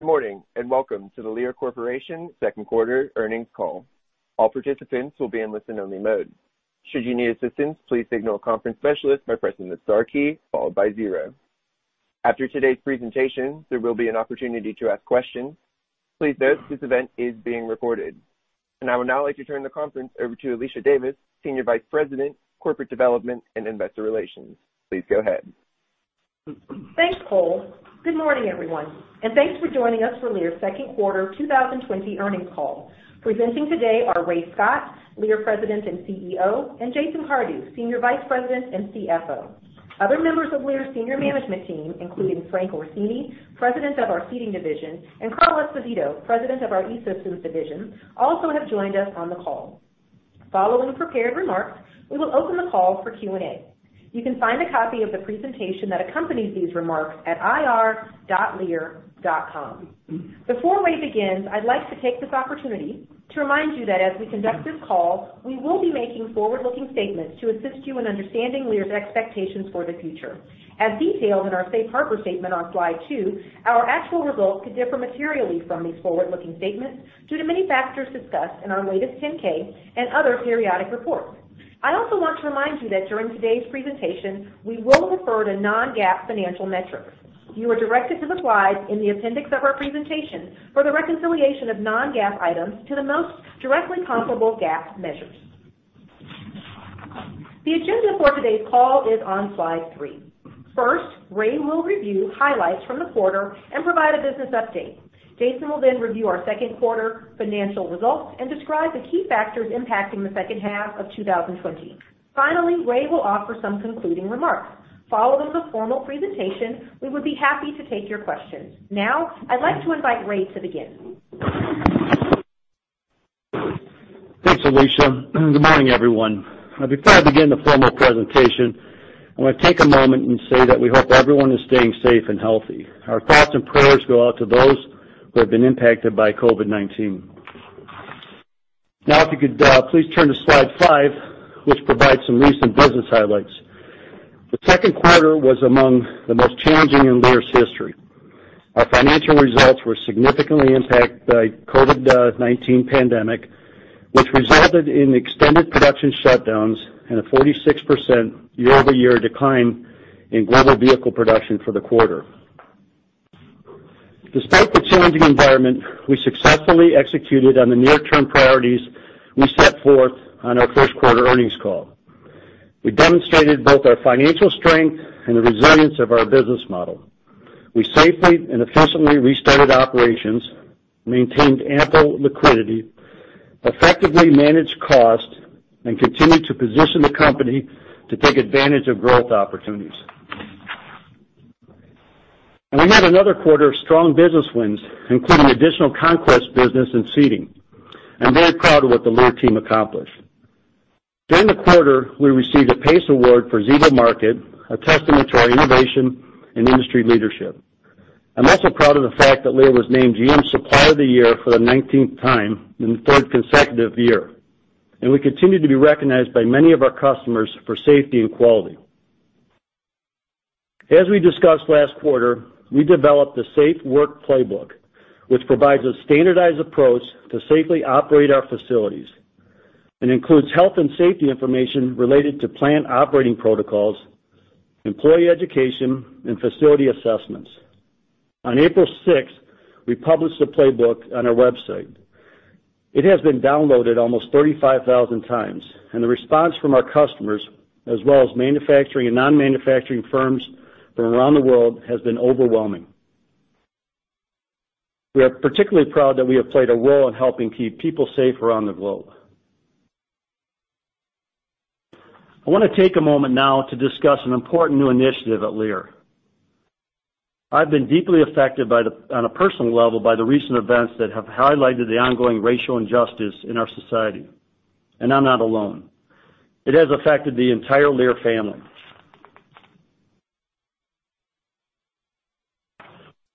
Good morning, welcome to the Lear Corporation Second Quarter Earnings Call. All participants will be in listen-only mode. Should you need assistance, please signal a conference specialist by pressing the star key followed by zero. After today's presentation, there will be an opportunity to ask questions. Please note this event is being recorded. I would now like to turn the conference over to Alicia Davis, Senior Vice President, Corporate Development and Investor Relations. Please go ahead. Thanks, Cole. Good morning, everyone, and thanks for joining us for Lear's second quarter 2020 earnings call. Presenting today are Ray Scott, Lear President and CEO; and Jason Cardew, Senior Vice President and CFO. Other members of Lear's senior management team, including Frank Orsini, President of our Seating Division, and Carl Esposito, President of our E-Systems Division, also have joined us on the call. Following prepared remarks, we will open the call for Q&A. You can find a copy of the presentation that accompanies these remarks at ir.lear.com. Before Ray begins, I'd like to take this opportunity to remind you that as we conduct this call, we will be making forward-looking statements to assist you in understanding Lear's expectations for the future. As detailed in our safe harbor statement on slide two, our actual results could differ materially from these forward-looking statements due to many factors discussed in our latest 10-K and other periodic reports. I also want to remind you that during today's presentation, we will refer to non-GAAP financial metrics. You are directed to the slides in the appendix of our presentation for the reconciliation of non-GAAP items to the most directly comparable GAAP measures. The agenda for today's call is on slide three. First, Ray will review highlights from the quarter and provide a business update. Jason will then review our second quarter financial results and describe the key factors impacting the second half of 2020. Finally, Ray will offer some concluding remarks. Following the formal presentation, we would be happy to take your questions. Now, I'd like to invite Ray to begin. Thanks, Alicia. Good morning, everyone. Before I begin the formal presentation, I want to take a moment and say that we hope everyone is staying safe and healthy. Our thoughts and prayers go out to those who have been impacted by COVID-19. If you could please turn to slide five, which provides some recent business highlights. The second quarter was among the most challenging in Lear's history. Our financial results were significantly impacted by COVID-19 pandemic, which resulted in extended production shutdowns and a 46% year-over-year decline in global vehicle production for the quarter. Despite the challenging environment, we successfully executed on the near-term priorities we set forth on our first quarter earnings call. We demonstrated both our financial strength and the resilience of our business model. We safely and efficiently restarted operations, maintained ample liquidity, effectively managed cost, and continued to position the company to take advantage of growth opportunities. We had another quarter of strong business wins, including additional conquest business and Seating. I'm very proud of what the Lear team accomplished. During the quarter, we received a PACE Award for Xevo Market, a testament to our innovation and industry leadership. I'm also proud of the fact that Lear was named GM Supplier of the Year for the 19th time and third consecutive year, and we continue to be recognized by many of our customers for safety and quality. As we discussed last quarter, we developed the Safe Work Playbook, which provides a standardized approach to safely operate our facilities and includes health and safety information related to plant operating protocols, employee education, and facility assessments. On April 6, we published the playbook on our website. It has been downloaded almost 35,000 times, and the response from our customers, as well as manufacturing and non-manufacturing firms from around the world, has been overwhelming. We are particularly proud that we have played a role in helping keep people safe around the globe. I want to take a moment now to discuss an important new initiative at Lear. I've been deeply affected on a personal level by the recent events that have highlighted the ongoing racial injustice in our society, and I'm not alone. It has affected the entire Lear family.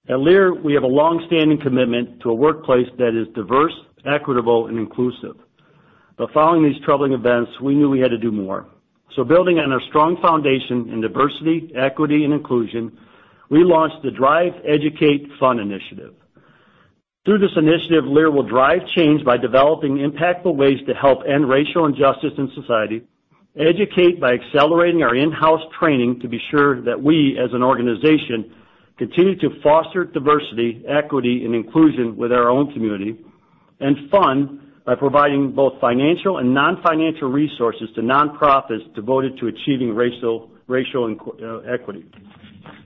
At Lear, we have a longstanding commitment to a workplace that is diverse, equitable, and inclusive. Following these troubling events, we knew we had to do more. Building on our strong foundation in diversity, equity, and inclusion, we launched the Drive, Educate, Fund initiative. Through this initiative, Lear will Drive change by developing impactful ways to help end racial injustice in society, Educate by accelerating our in-house training to be sure that we, as an organization, continue to foster diversity, equity, and inclusion with our own community, and Fund by providing both financial and non-financial resources to nonprofits devoted to achieving racial equity.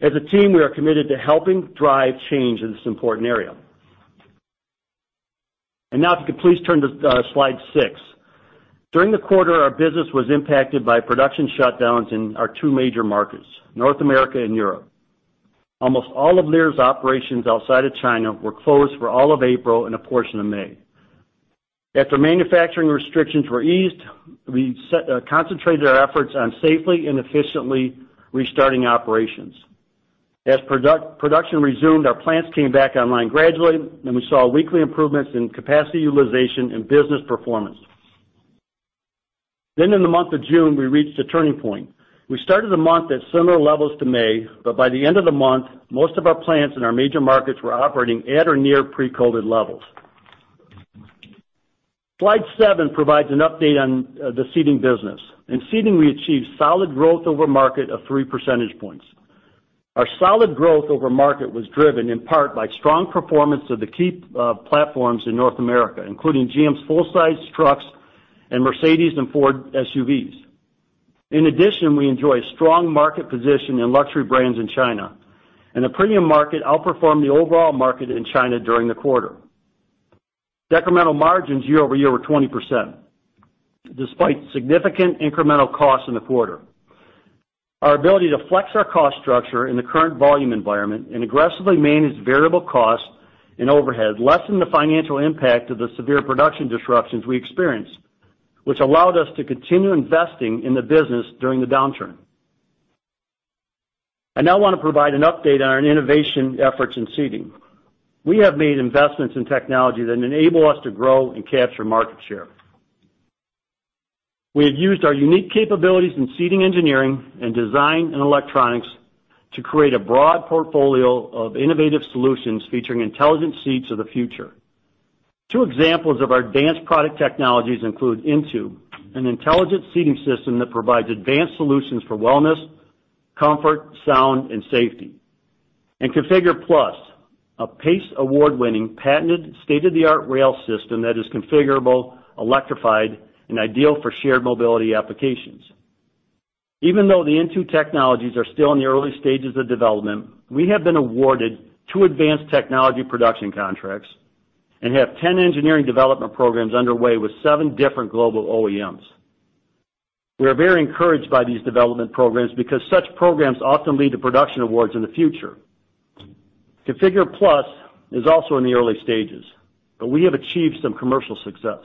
As a team, we are committed to helping drive change in this important area. Now, if you could please turn to slide six. During the quarter, our business was impacted by production shutdowns in our two major markets, North America and Europe. Almost all of Lear's operations outside of China were closed for all of April and a portion of May. After manufacturing restrictions were eased, we concentrated our efforts on safely and efficiently restarting operations. As production resumed, our plants came back online gradually, and we saw weekly improvements in capacity utilization and business performance. In the month of June, we reached a turning point. We started the month at similar levels to May, but by the end of the month, most of our plants in our major markets were operating at or near pre-COVID levels. Slide seven provides an update on the Seating business. In Seating, we achieved solid growth over market of three percentage points. Our solid growth over market was driven in part by strong performance of the key platforms in North America, including GM's full-size trucks and Mercedes and Ford SUVs. In addition, we enjoy a strong market position in luxury brands in China, and the premium market outperformed the overall market in China during the quarter. Decremental margins year-over-year were 20%, despite significant incremental costs in the quarter. Our ability to flex our cost structure in the current volume environment and aggressively manage variable costs and overhead lessened the financial impact of the severe production disruptions we experienced, which allowed us to continue investing in the business during the downturn. I now want to provide an update on our innovation efforts in seating. We have made investments in technology that enable us to grow and capture market share. We have used our unique capabilities in seating engineering and design and electronics to create a broad portfolio of innovative solutions featuring intelligent seats of the future. Two examples of our advanced product technologies include INTU, an intelligent seating system that provides advanced solutions for wellness, comfort, sound, and safety. ConfigurE+, a PACE Award-winning, patented state-of-the-art rail system that is configurable, electrified, and ideal for shared mobility applications. Even though the INTU technologies are still in the early stages of development, we have been awarded two advanced technology production contracts and have 10 engineering development programs underway with seven different global OEMs. We are very encouraged by these development programs because such programs often lead to production awards in the future. ConfigurE+ is also in the early stages. We have achieved some commercial success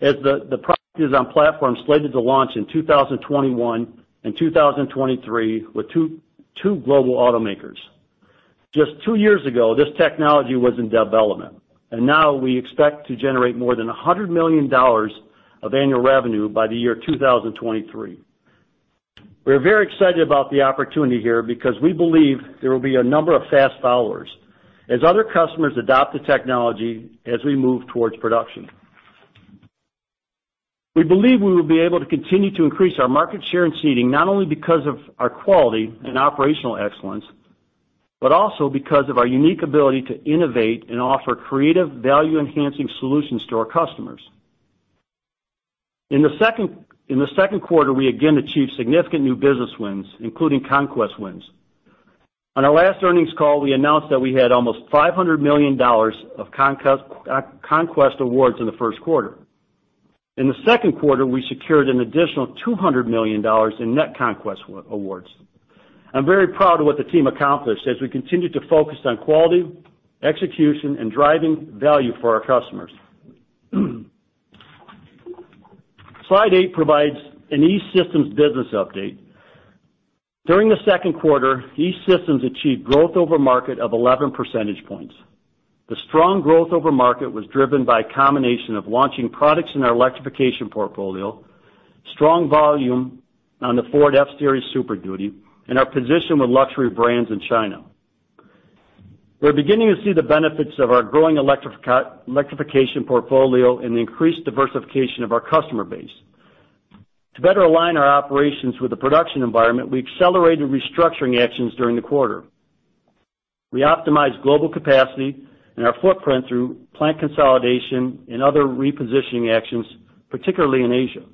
as the product is on platforms slated to launch in 2021 and 2023 with two global automakers. Just two years ago, this technology was in development. Now we expect to generate more than $100 million of annual revenue by the year 2023. We're very excited about the opportunity here because we believe there will be a number of fast followers as other customers adopt the technology as we move towards production. We believe we will be able to continue to increase our market share in Seating, not only because of our quality and operational excellence, but also because of our unique ability to innovate and offer creative value-enhancing solutions to our customers. In the second quarter, we again achieved significant new business wins, including conquest wins. On our last earnings call, we announced that we had almost $500 million of conquest awards in the first quarter. In the second quarter, we secured an additional $200 million in net conquest awards. I am very proud of what the team accomplished as we continue to focus on quality, execution, and driving value for our customers. Slide eight provides an E-Systems business update. During the second quarter, E-Systems achieved growth over market of 11 percentage points. The strong growth over market was driven by a combination of launching products in our electrification portfolio, strong volume on the Ford F-Series Super Duty, and our position with luxury brands in China. We're beginning to see the benefits of our growing electrification portfolio and the increased diversification of our customer base. To better align our operations with the production environment, we accelerated restructuring actions during the quarter. We optimized global capacity and our footprint through plant consolidation and other repositioning actions, particularly in Asia.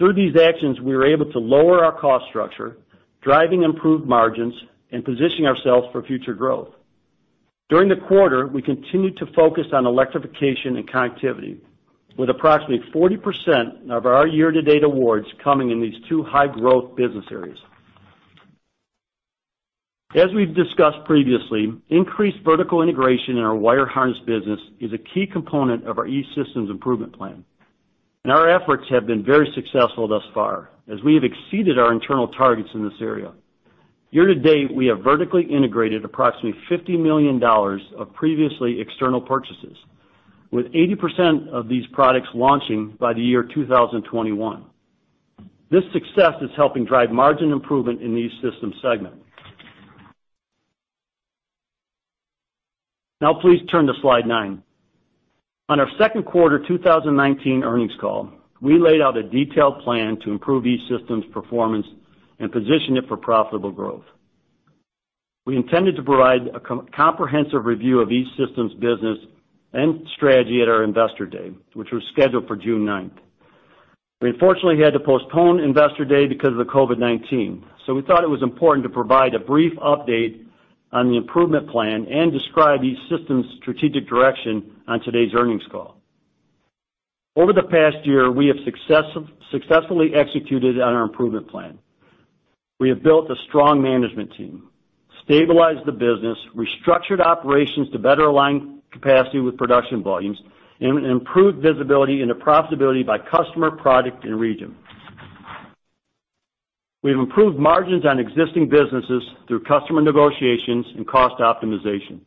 Through these actions, we were able to lower our cost structure, driving improved margins, and positioning ourselves for future growth. During the quarter, we continued to focus on electrification and connectivity with approximately 40% of our year-to-date awards coming in these two high-growth business areas. As we've discussed previously, increased vertical integration in our wire harness business is a key component of our E-Systems improvement plan. Our efforts have been very successful thus far, as we have exceeded our internal targets in this area. Year-to-date, we have vertically integrated approximately $50 million of previously external purchases, with 80% of these products launching by the year 2021. This success is helping drive margin improvement in E-Systems segment. Please turn to slide nine. On our second quarter 2019 earnings call, we laid out a detailed plan to improve E-Systems' performance and position it for profitable growth. We intended to provide a comprehensive review of E-Systems business and strategy at our Investor Day, which was scheduled for June 9th. We unfortunately had to postpone Investor Day because of the COVID-19, we thought it was important to provide a brief update on the improvement plan and describe E-Systems' strategic direction on today's earnings call. Over the past year, we have successfully executed on our improvement plan. We have built a strong management team, stabilized the business, restructured operations to better align capacity with production volumes, and improved visibility into profitability by customer, product, and region. We've improved margins on existing businesses through customer negotiations and cost optimization.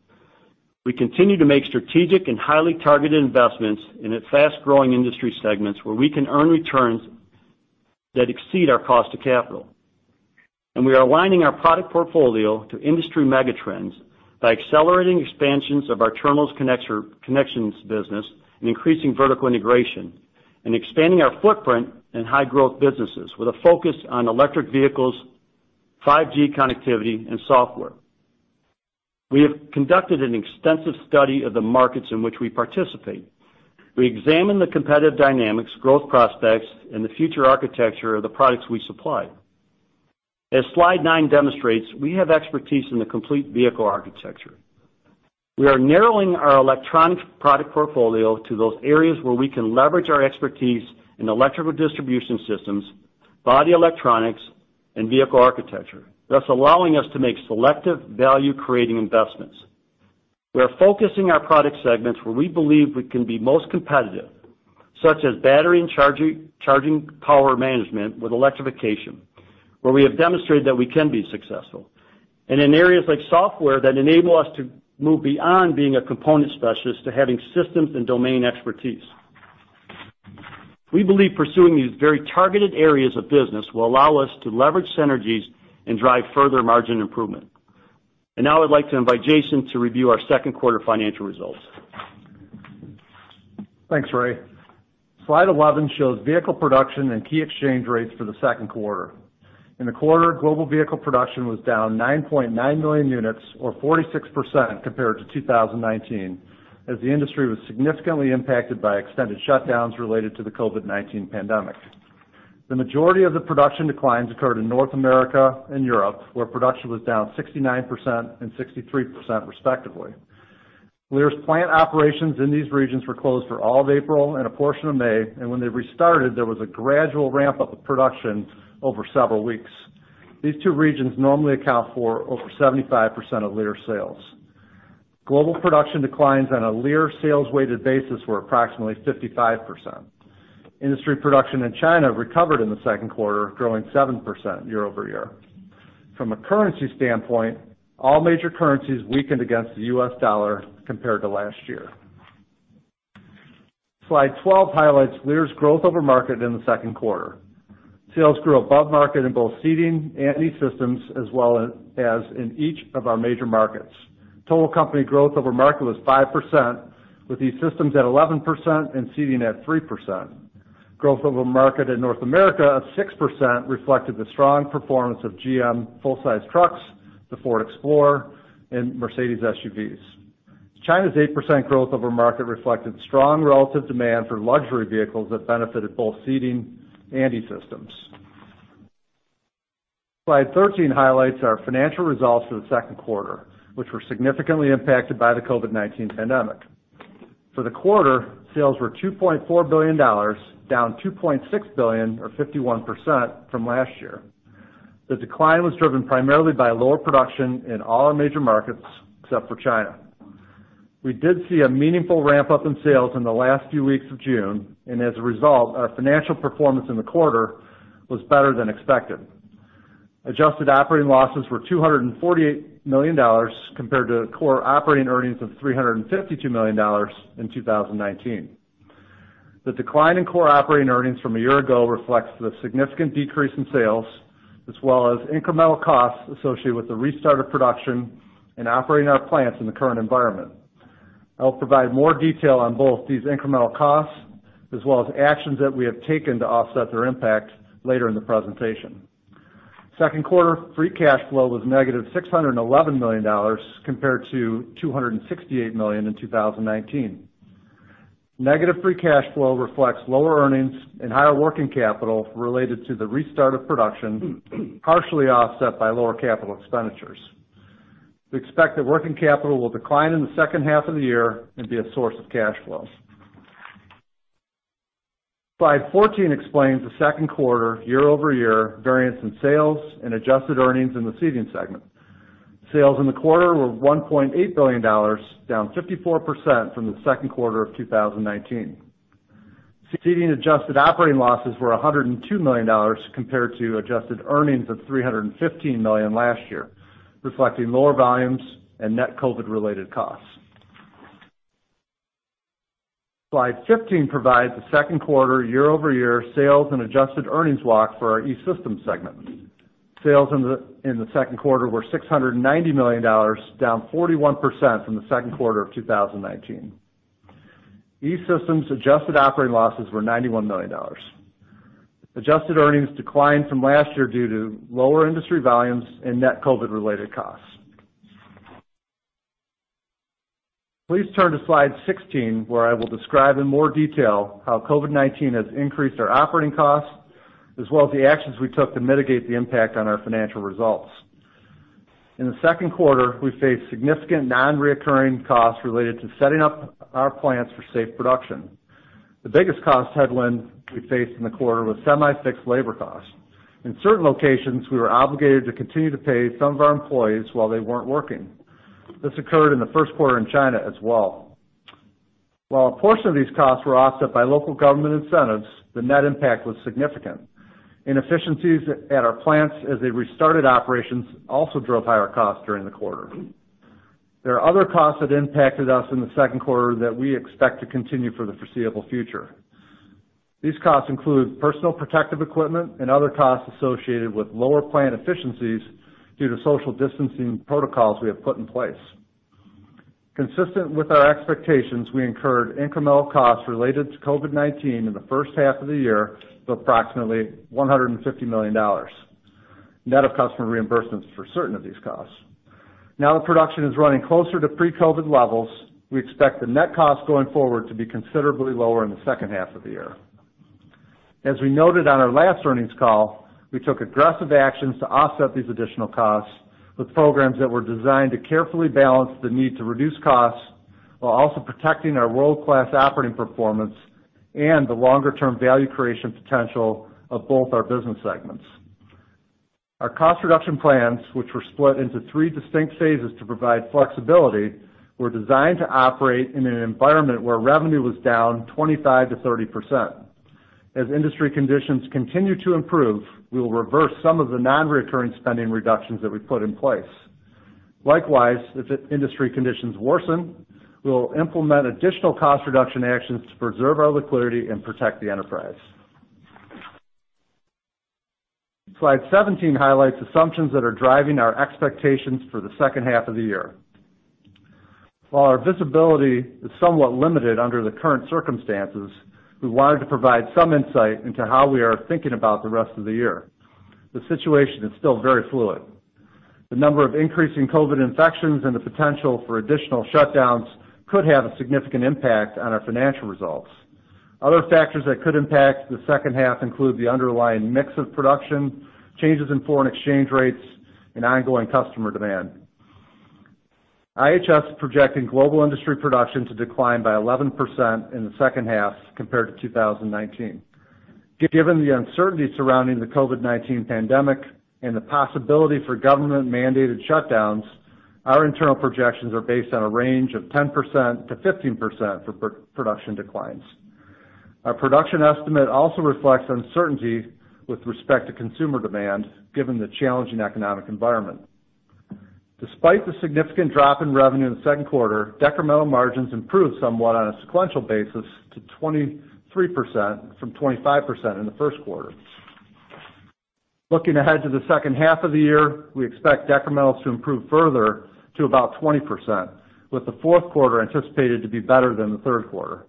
We continue to make strategic and highly targeted investments in the fast-growing industry segments where we can earn returns that exceed our cost of capital. We are aligning our product portfolio to industry mega trends by accelerating expansions of our terminals and connectors business and increasing vertical integration, and expanding our footprint in high-growth businesses with a focus on electric vehicles, 5G connectivity, and software. We have conducted an extensive study of the markets in which we participate. We examine the competitive dynamics, growth prospects, and the future architecture of the products we supply. As Slide nine demonstrates, we have expertise in the complete vehicle architecture. We are narrowing our electronics product portfolio to those areas where we can leverage our expertise in electrical distribution systems, body electronics, and vehicle architecture, thus allowing us to make selective value-creating investments. We are focusing our product segments where we believe we can be most competitive, such as battery and charging power management with electrification, where we have demonstrated that we can be successful. In areas like software that enable us to move beyond being a component specialist to having systems and domain expertise. We believe pursuing these very targeted areas of business will allow us to leverage synergies and drive further margin improvement. Now I'd like to invite Jason to review our second quarter financial results. Thanks, Ray. Slide 11 shows vehicle production and key exchange rates for the second quarter. In the quarter, global vehicle production was down 9.9 million units or 46% compared to 2019, as the industry was significantly impacted by extended shutdowns related to the COVID-19 pandemic. The majority of the production declines occurred in North America and Europe, where production was down 69% and 63% respectively. Lear's plant operations in these regions were closed for all of April and a portion of May, and when they restarted, there was a gradual ramp-up of production over several weeks. These two regions normally account for over 75% of Lear sales. Global production declines on a Lear sales weighted basis were approximately 55%. Industry production in China recovered in the second quarter, growing 7% year-over-year. From a currency standpoint, all major currencies weakened against the U.S. dollar compared to last year. Slide 12 highlights Lear's growth over market in the second quarter. Sales grew above market in both Seating and E-Systems, as well as in each of our major markets. Total company growth over market was 5%, with E-Systems at 11% and Seating at 3%. Growth over market in North America of 6% reflected the strong performance of GM full-size trucks, the Ford Explorer, and Mercedes SUVs. China's 8% growth over market reflected strong relative demand for luxury vehicles that benefited both Seating and E-Systems. Slide 13 highlights our financial results for the second quarter, which were significantly impacted by the COVID-19 pandemic. For the quarter, sales were $2.4 billion, down $2.6 billion or 51% from last year. The decline was driven primarily by lower production in all our major markets except for China. We did see a meaningful ramp-up in sales in the last few weeks of June. As a result, our financial performance in the quarter was better than expected. Adjusted operating losses were $248 million, compared to core operating earnings of $352 million in 2019. The decline in core operating earnings from a year ago reflects the significant decrease in sales, as well as incremental costs associated with the restart of production and operating our plants in the current environment. I'll provide more detail on both these incremental costs as well as actions that we have taken to offset their impact later in the presentation. Second quarter free cash flow was negative $611 million compared to $268 million in 2019. Negative free cash flow reflects lower earnings and higher working capital related to the restart of production, partially offset by lower capital expenditures. We expect that working capital will decline in the second half of the year and be a source of cash flow. Slide 14 explains the second quarter year-over-year variance in sales and adjusted earnings in the Seating segment. Sales in the quarter were $1.8 billion, down 54% from the second quarter of 2019. Seating adjusted operating losses were $102 million compared to adjusted earnings of $315 million last year, reflecting lower volumes and net COVID-related costs. Slide 15 provides the second quarter year-over-year sales and adjusted earnings walk for our E-Systems segment. Sales in the second quarter were $690 million, down 41% from the second quarter of 2019. E-Systems adjusted operating losses were $91 million. Adjusted earnings declined from last year due to lower industry volumes and net COVID-related costs. Please turn to Slide 16, where I will describe in more detail how COVID-19 has increased our operating costs, as well as the actions we took to mitigate the impact on our financial results. In the second quarter, we faced significant non-recurring costs related to setting up our plants for safe production. The biggest cost headwind we faced in the quarter was semi-fixed labor costs. In certain locations, we were obligated to continue to pay some of our employees while they weren't working. This occurred in the first quarter in China as well. While a portion of these costs were offset by local government incentives, the net impact was significant. Inefficiencies at our plants as they restarted operations also drove higher costs during the quarter. There are other costs that impacted us in the second quarter that we expect to continue for the foreseeable future. These costs include personal protective equipment and other costs associated with lower plant efficiencies due to social distancing protocols we have put in place. Consistent with our expectations, we incurred incremental costs related to COVID-19 in the first half of the year of approximately $150 million, net of customer reimbursements for certain of these costs. Now that production is running closer to pre-COVID levels, we expect the net cost going forward to be considerably lower in the second half of the year. As we noted on our last earnings call, we took aggressive actions to offset these additional costs with programs that were designed to carefully balance the need to reduce costs while also protecting our world-class operating performance and the longer-term value creation potential of both our business segments. Our cost reduction plans, which were split into three distinct phases to provide flexibility, were designed to operate in an environment where revenue was down 25%-30%. As industry conditions continue to improve, we will reverse some of the non-reoccurring spending reductions that we put in place. Likewise, if industry conditions worsen, we'll implement additional cost reduction actions to preserve our liquidity and protect the enterprise. Slide 17 highlights assumptions that are driving our expectations for the second half of the year. While our visibility is somewhat limited under the current circumstances, we wanted to provide some insight into how we are thinking about the rest of the year. The situation is still very fluid. The number of increasing COVID-19 infections and the potential for additional shutdowns could have a significant impact on our financial results. Other factors that could impact the second half include the underlying mix of production, changes in foreign exchange rates, and ongoing customer demand. IHS is projecting global industry production to decline by 11% in the second half compared to 2019. Given the uncertainty surrounding the COVID-19 pandemic and the possibility for government-mandated shutdowns, our internal projections are based on a range of 10%-15% for production declines. Our production estimate also reflects uncertainty with respect to consumer demand given the challenging economic environment. Despite the significant drop in revenue in the second quarter, decremental margins improved somewhat on a sequential basis to 23% from 25% in the first quarter. Looking ahead to the second half of the year, we expect decrementals to improve further to about 20%, with the fourth quarter anticipated to be better than the third quarter.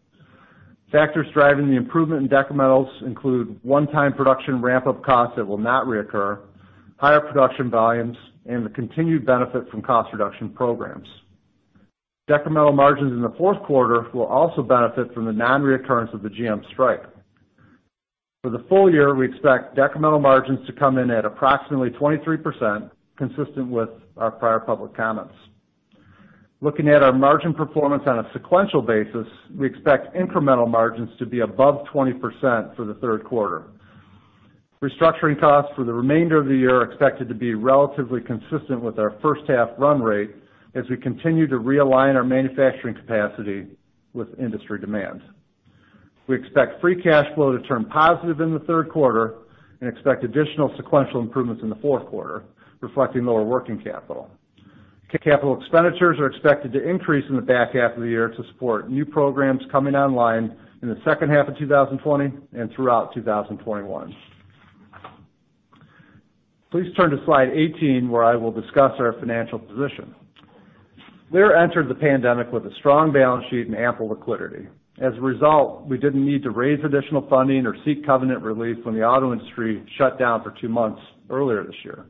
Factors driving the improvement in decrementals include one-time production ramp-up costs that will not reoccur, higher production volumes, and the continued benefit from cost reduction programs. Decremental margins in the fourth quarter will also benefit from the non-reoccurrence of the GM strike. For the full year, we expect decremental margins to come in at approximately 23%, consistent with our prior public comments. Looking at our margin performance on a sequential basis, we expect incremental margins to be above 20% for the third quarter. Restructuring costs for the remainder of the year are expected to be relatively consistent with our first half run rate as we continue to realign our manufacturing capacity with industry demand. We expect free cash flow to turn positive in the third quarter and expect additional sequential improvements in the fourth quarter, reflecting lower working capital. Capital expenditures are expected to increase in the back half of the year to support new programs coming online in the second half of 2020 and throughout 2021. Please turn to slide 18, where I will discuss our financial position. Lear entered the pandemic with a strong balance sheet and ample liquidity. As a result, we didn't need to raise additional funding or seek covenant relief when the auto industry shut down for two months earlier this year.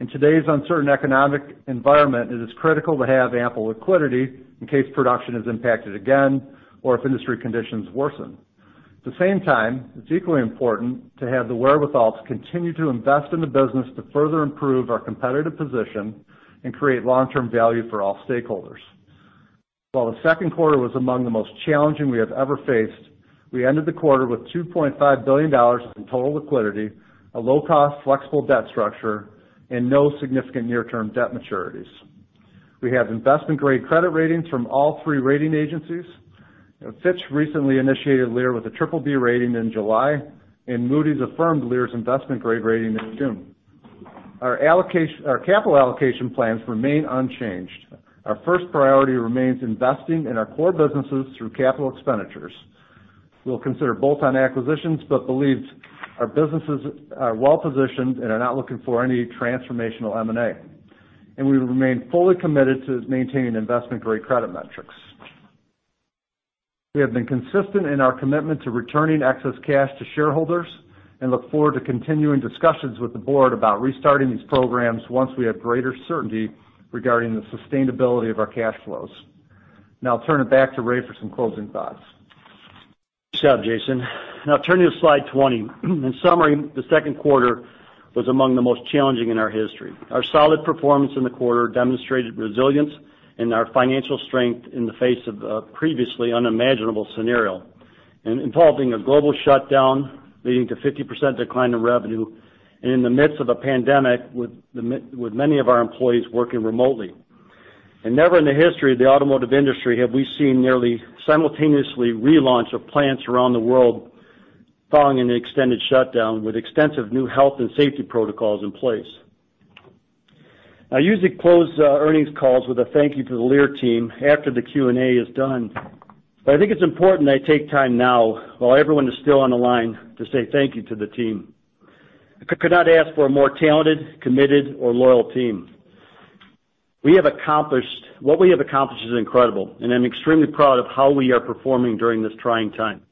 In today's uncertain economic environment, it is critical to have ample liquidity in case production is impacted again or if industry conditions worsen. At the same time, it's equally important to have the wherewithal to continue to invest in the business to further improve our competitive position and create long-term value for all stakeholders. While the second quarter was among the most challenging we have ever faced, we ended the quarter with $2.5 billion in total liquidity, a low-cost, flexible debt structure, and no significant near-term debt maturities. We have investment-grade credit ratings from all three rating agencies. Fitch recently initiated Lear with a triple B rating in July, and Moody's affirmed Lear's investment-grade rating in June. Our capital allocation plans remain unchanged. Our first priority remains investing in our core businesses through capital expenditures. We'll consider bolt-on acquisitions, but believe our businesses are well-positioned and are not looking for any transformational M&A. We remain fully committed to maintaining investment-grade credit metrics. We have been consistent in our commitment to returning excess cash to shareholders and look forward to continuing discussions with the board about restarting these programs once we have greater certainty regarding the sustainability of our cash flows. Now I'll turn it back to Ray for some closing thoughts. Thanks, Jason. Now turning to slide 20. In summary, the second quarter was among the most challenging in our history. Our solid performance in the quarter demonstrated resilience and our financial strength in the face of a previously unimaginable scenario. Involving a global shutdown, leading to 50% decline in revenue, and in the midst of a pandemic with many of our employees working remotely. Never in the history of the automotive industry have we seen nearly simultaneously relaunch of plants around the world following an extended shutdown with extensive new health and safety protocols in place. I usually close earnings calls with a thank you to the Lear team after the Q&A is done, but I think it's important I take time now while everyone is still on the line to say thank you to the team. I could not ask for a more talented, committed, or loyal team. What we have accomplished is incredible, and I'm extremely proud of how we are performing during this trying time.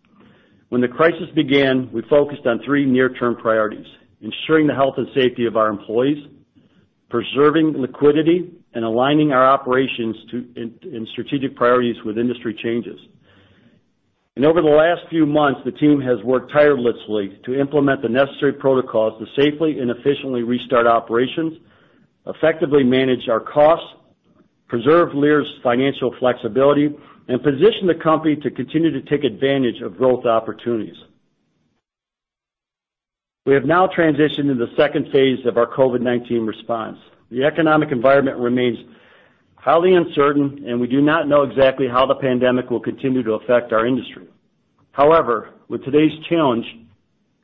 When the crisis began, we focused on three near-term priorities: ensuring the health and safety of our employees, preserving liquidity, and aligning our operations and strategic priorities with industry changes. Over the last few months, the team has worked tirelessly to implement the necessary protocols to safely and efficiently restart operations, effectively manage our costs, preserve Lear's financial flexibility, and position the company to continue to take advantage of growth opportunities. We have now transitioned to the second phase of our COVID-19 response. The economic environment remains highly uncertain, and we do not know exactly how the pandemic will continue to affect our industry. However, with today's challenge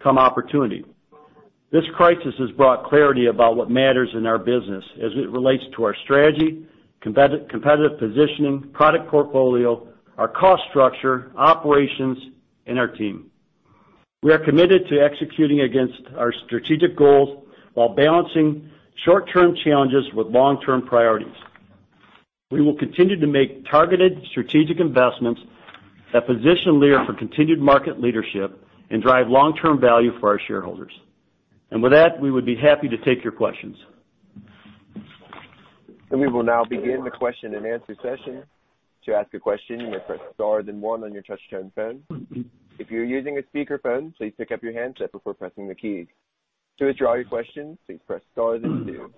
come opportunity. This crisis has brought clarity about what matters in our business as it relates to our strategy, competitive positioning, product portfolio, our cost structure, operations, and our team. We are committed to executing against our strategic goals while balancing short-term challenges with long-term priorities. We will continue to make targeted strategic investments that position Lear for continued market leadership and drive long-term value for our shareholders. With that, we would be happy to take your questions. We will now begin the question and answer session. To ask a question, you may press star then one on your touchtone phone. If you're using a speakerphone, please pick up your handset before pressing the key. To withdraw your question, please press star then two.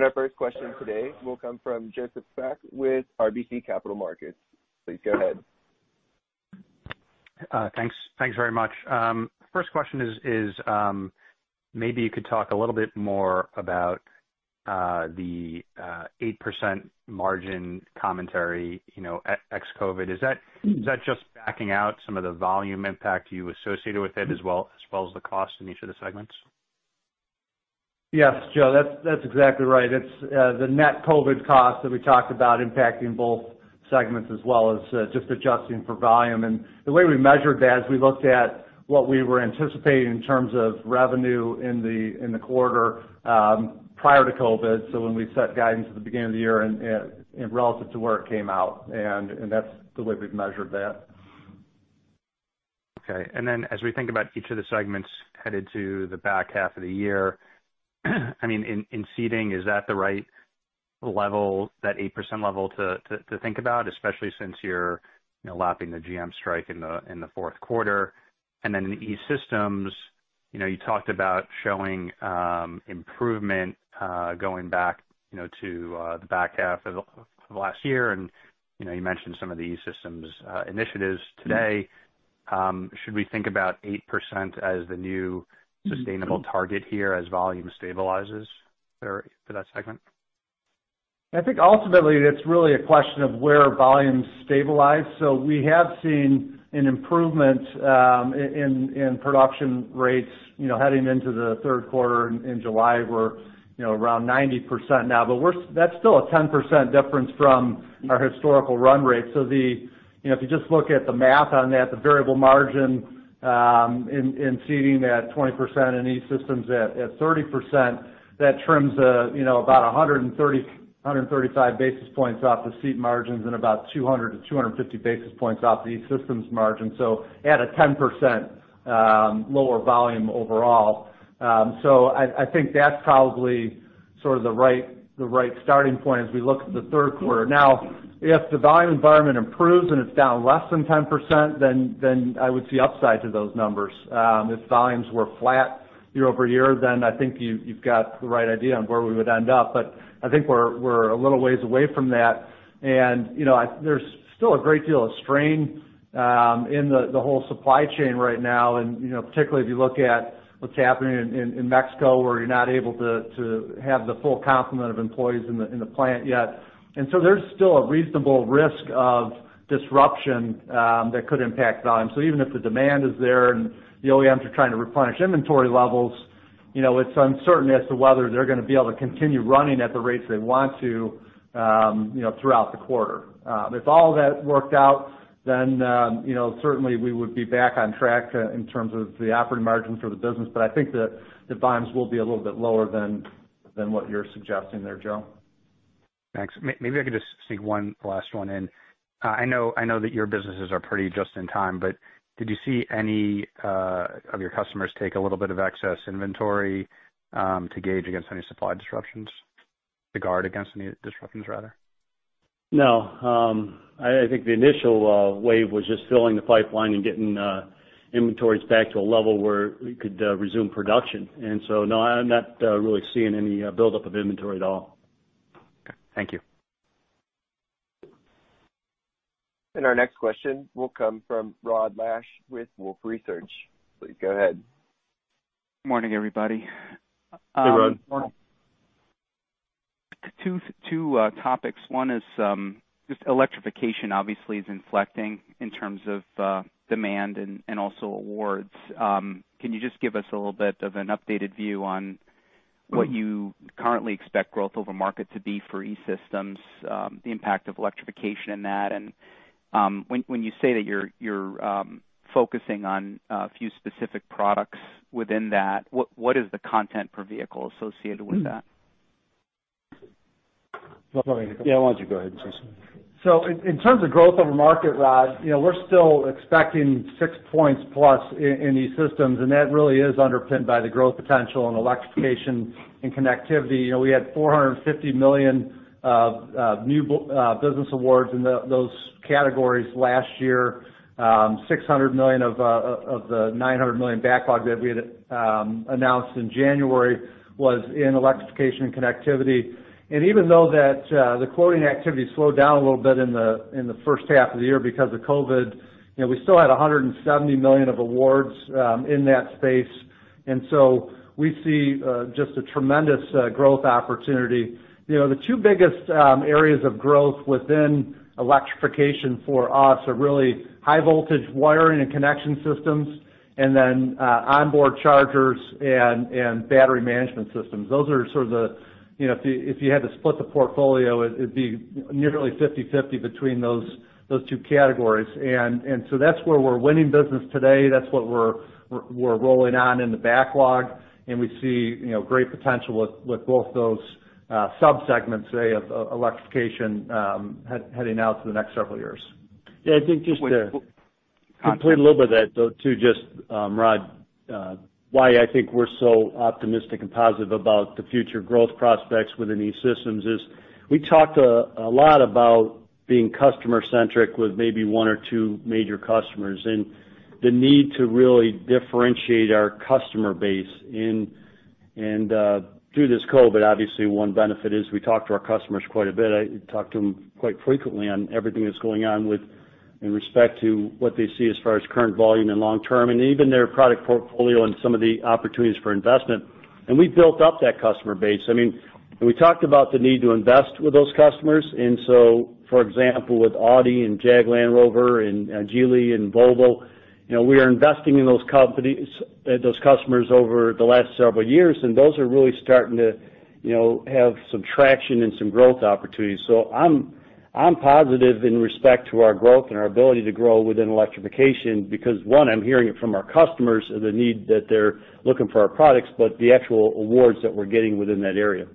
Our first question today will come from Joseph Spak with RBC Capital Markets. Please go ahead. Thanks very much. First question is, maybe you could talk a little bit more about the 8% margin commentary ex-COVID-19. Is that just backing out some of the volume impact you associated with it, as well as the cost in each of the segments? Yes, Joe, that's exactly right. It's the net COVID cost that we talked about impacting both segments, as well as just adjusting for volume. The way we measured that is we looked at what we were anticipating in terms of revenue in the quarter prior to COVID. When we set guidance at the beginning of the year and relative to where it came out, that's the way we've measured that. Okay. As we think about each of the segments headed to the back half of the year, in Seating, is that the right level, that 8% level to think about, especially since you're lapping the GM strike in the fourth quarter? In E-Systems, you talked about showing improvement going back to the back half of last year, and you mentioned some of the E-Systems initiatives today. Should we think about 8% as the new sustainable target here as volume stabilizes for that segment? I think ultimately, it's really a question of where volumes stabilize. We have seen an improvement in production rates heading into the third quarter in July. We're around 90% now. That's still a 10% difference from our historical run rate. If you just look at the math on that, the variable margin in Seating at 20% and E-Systems at 30%, that trims about 135 basis points off the seat margins and about 200-250 basis points off the E-Systems margin. At a 10% lower volume overall. I think that's probably sort of the right starting point as we look at the third quarter. If the volume environment improves and it's down less than 10%, then I would see upsides of those numbers. If volumes were flat year-over-year, then I think you've got the right idea on where we would end up. I think we're a little ways away from that, and there's still a great deal of strain in the whole supply chain right now. Particularly if you look at what's happening in Mexico, where you're not able to have the full complement of employees in the plant yet. There's still a reasonable risk of disruption that could impact volume. Even if the demand is there and the OEMs are trying to replenish inventory levels, it's uncertain as to whether they're going to be able to continue running at the rates they want to throughout the quarter. If all that worked out, then certainly we would be back on track in terms of the operating margins for the business. I think that the volumes will be a little bit lower than what you're suggesting there, Joe. Thanks. Maybe I could just sneak one last one in. I know that your businesses are pretty just in time, but did you see any of your customers take a little bit of excess inventory to gauge against any supply disruptions, to guard against any disruptions, rather? No. I think the initial wave was just filling the pipeline and getting inventories back to a level where we could resume production. No, I'm not really seeing any buildup of inventory at all. Thank you. Our next question will come from Rod Lache with Wolfe Research. Please go ahead. Morning, everybody. Hey, Rod. Two topics. One is just electrification obviously is inflecting in terms of demand and also awards. Can you just give us a little bit of an updated view on what you currently expect growth over market to be for E-Systems, the impact of electrification in that? When you say that you're focusing on a few specific products within that, what is the content per vehicle associated with that? Yeah. Why don't you go ahead, Jason? In terms of growth over market, Rod, we're still expecting six points plus in E-Systems, and that really is underpinned by the growth potential in electrification and connectivity. We had $450 million of new business awards in those categories last year. $600 million of the $900 million backlog that we had announced in January was in electrification and connectivity. Even though the quoting activity slowed down a little bit in the first half of the year because of COVID, we still had $170 million of awards in that space. We see just a tremendous growth opportunity. The two biggest areas of growth within electrification for us are really high voltage wiring and connection systems, and then onboard chargers and battery management systems. Those are sort of If you had to split the portfolio, it'd be nearly 50/50 between those two categories. That's where we're winning business today. That's what we're rolling on in the backlog, and we see great potential with both those sub-segments of electrification heading out to the next several years. Yeah, I think just to complete a little bit of that, though, too, just, Rod, why I think we're so optimistic and positive about the future growth prospects within E-Systems is we talked a lot about being customer-centric with maybe one or two major customers and the need to really differentiate our customer base. Through this COVID, obviously, one benefit is we talk to our customers quite a bit. I talk to them quite frequently on everything that's going on in respect to what they see as far as current volume and long term, and even their product portfolio and some of the opportunities for investment. We built up that customer base. We talked about the need to invest with those customers. For example, with Audi and Jaguar Land Rover and Geely and Volvo, we are investing in those customers over the last several years, and those are really starting to have some traction and some growth opportunities. I'm positive in respect to our growth and our ability to grow within electrification because, one, I'm hearing it from our customers, the need that they're looking for our products, but the actual awards that we're getting within that area.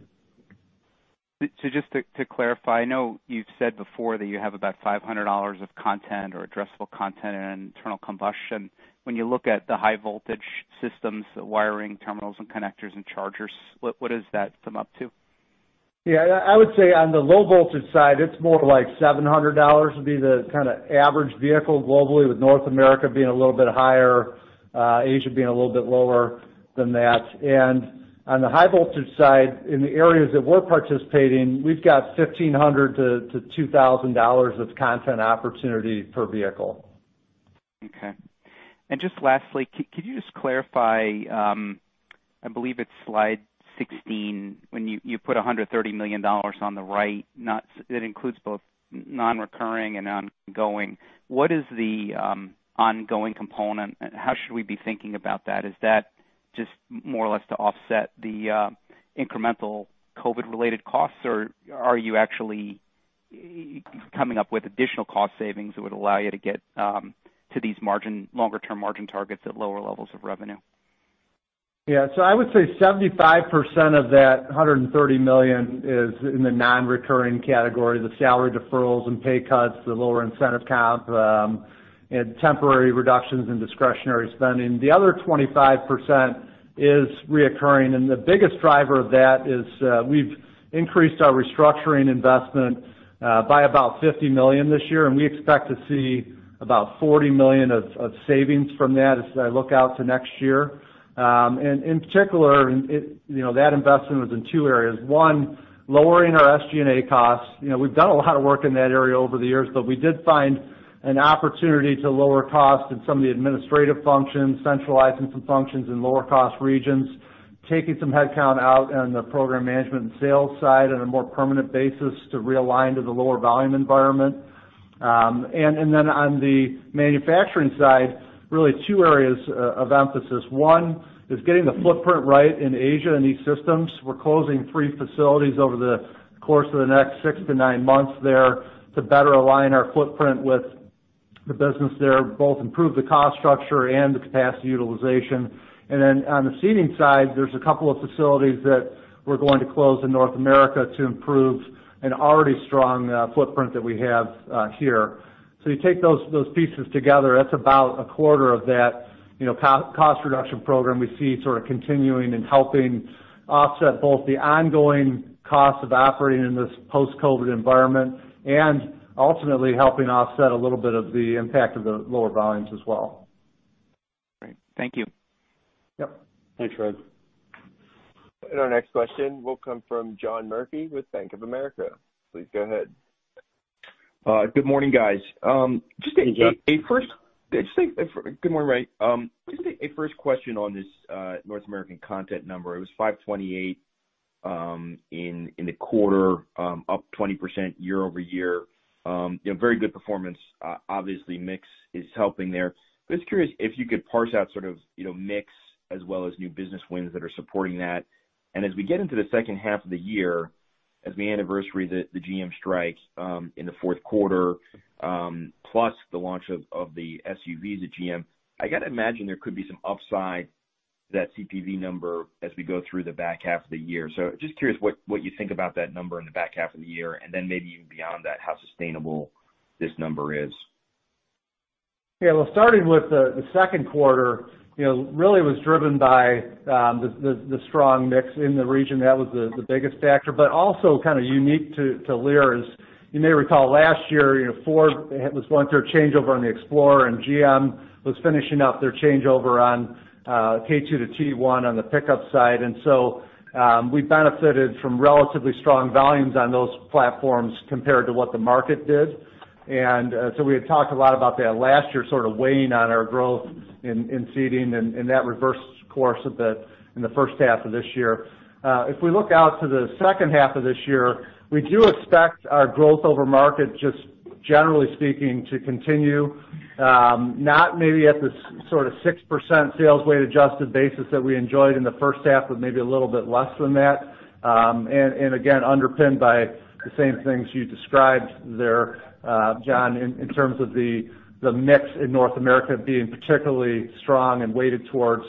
Just to clarify, I know you've said before that you have about $500 of content or addressable content in internal combustion. When you look at the high voltage systems, the wiring terminals and connectors and chargers, what does that come up to? Yeah, I would say on the low voltage side, it's more like $700 would be the kind of average vehicle globally, with North America being a little bit higher, Asia being a little bit lower than that. On the high voltage side, in the areas that we're participating, we've got $1,500-$2,000 of content opportunity per vehicle. Okay. Just lastly, could you just clarify, I believe it's slide 16, when you put $130 million on the right, that includes both non-recurring and ongoing. What is the ongoing component? How should we be thinking about that? Is that just more or less to offset the incremental COVID-related costs, or are you actually coming up with additional cost savings that would allow you to get to these longer-term margin targets at lower levels of revenue? Yeah. I would say 75% of that $130 million is in the non-recurring category, the salary deferrals and pay cuts, the lower incentive comp, and temporary reductions in discretionary spending. The other 25% is reoccurring, and the biggest driver of that is we've increased our restructuring investment by about $50 million this year, and we expect to see about $40 million of savings from that as I look out to next year. In particular, that investment was in two areas. One, lowering our SG&A costs. We've done a lot of work in that area over the years, but we did find an opportunity to lower costs in some of the administrative functions, centralizing some functions in lower cost regions, taking some headcount out on the program management and sales side on a more permanent basis to realign to the lower volume environment. On the manufacturing side, really two areas of emphasis. One is getting the footprint right in Asia in E-Systems. We're closing three facilities over the course of the next six to nine months there to better align our footprint with the business there, both improve the cost structure and the capacity utilization. On the Seating side, there's a couple of facilities that we're going to close in North America to improve an already strong footprint that we have here. You take those pieces together, that's about a quarter of that cost reduction program we see sort of continuing and helping offset both the ongoing cost of operating in this post-COVID-19 environment and ultimately helping offset a little bit of the impact of the lower volumes as well. Thank you. Yep. Thanks, Rod. Our next question will come from John Murphy with Bank of America. Please go ahead. Good morning, guys. Hey, John. Good morning, Ray. Just a first question on this North American content number. It was 528 in the quarter, up 20% year-over-year. Very good performance. Obviously, mix is helping there, but just curious if you could parse out mix as well as new business wins that are supporting that. As we get into the second half of the year, as we anniversary the GM strike in the fourth quarter, plus the launch of the SUVs at GM, I got to imagine there could be some upside to that CPV number as we go through the back half of the year. Just curious what you think about that number in the back half of the year, and then maybe even beyond that, how sustainable this number is. Yeah. Well, starting with the second quarter, really was driven by the strong mix in the region. Also kind of unique to Lear is, you may recall last year, Ford was going through a changeover on the Explorer and GM was finishing up their changeover on K2 to T1 on the pickup side. So, we benefited from relatively strong volumes on those platforms compared to what the market did. So we had talked a lot about that last year, sort of weighing on our growth in Seating and that reverse course in the first half of this year. If we look out to the second half of this year, we do expect our growth over market, just generally speaking, to continue. Not maybe at the sort of 6% sales weight adjusted basis that we enjoyed in the first half, but maybe a little bit less than that. Again, underpinned by the same things you described there, John, in terms of the mix in North America being particularly strong and weighted towards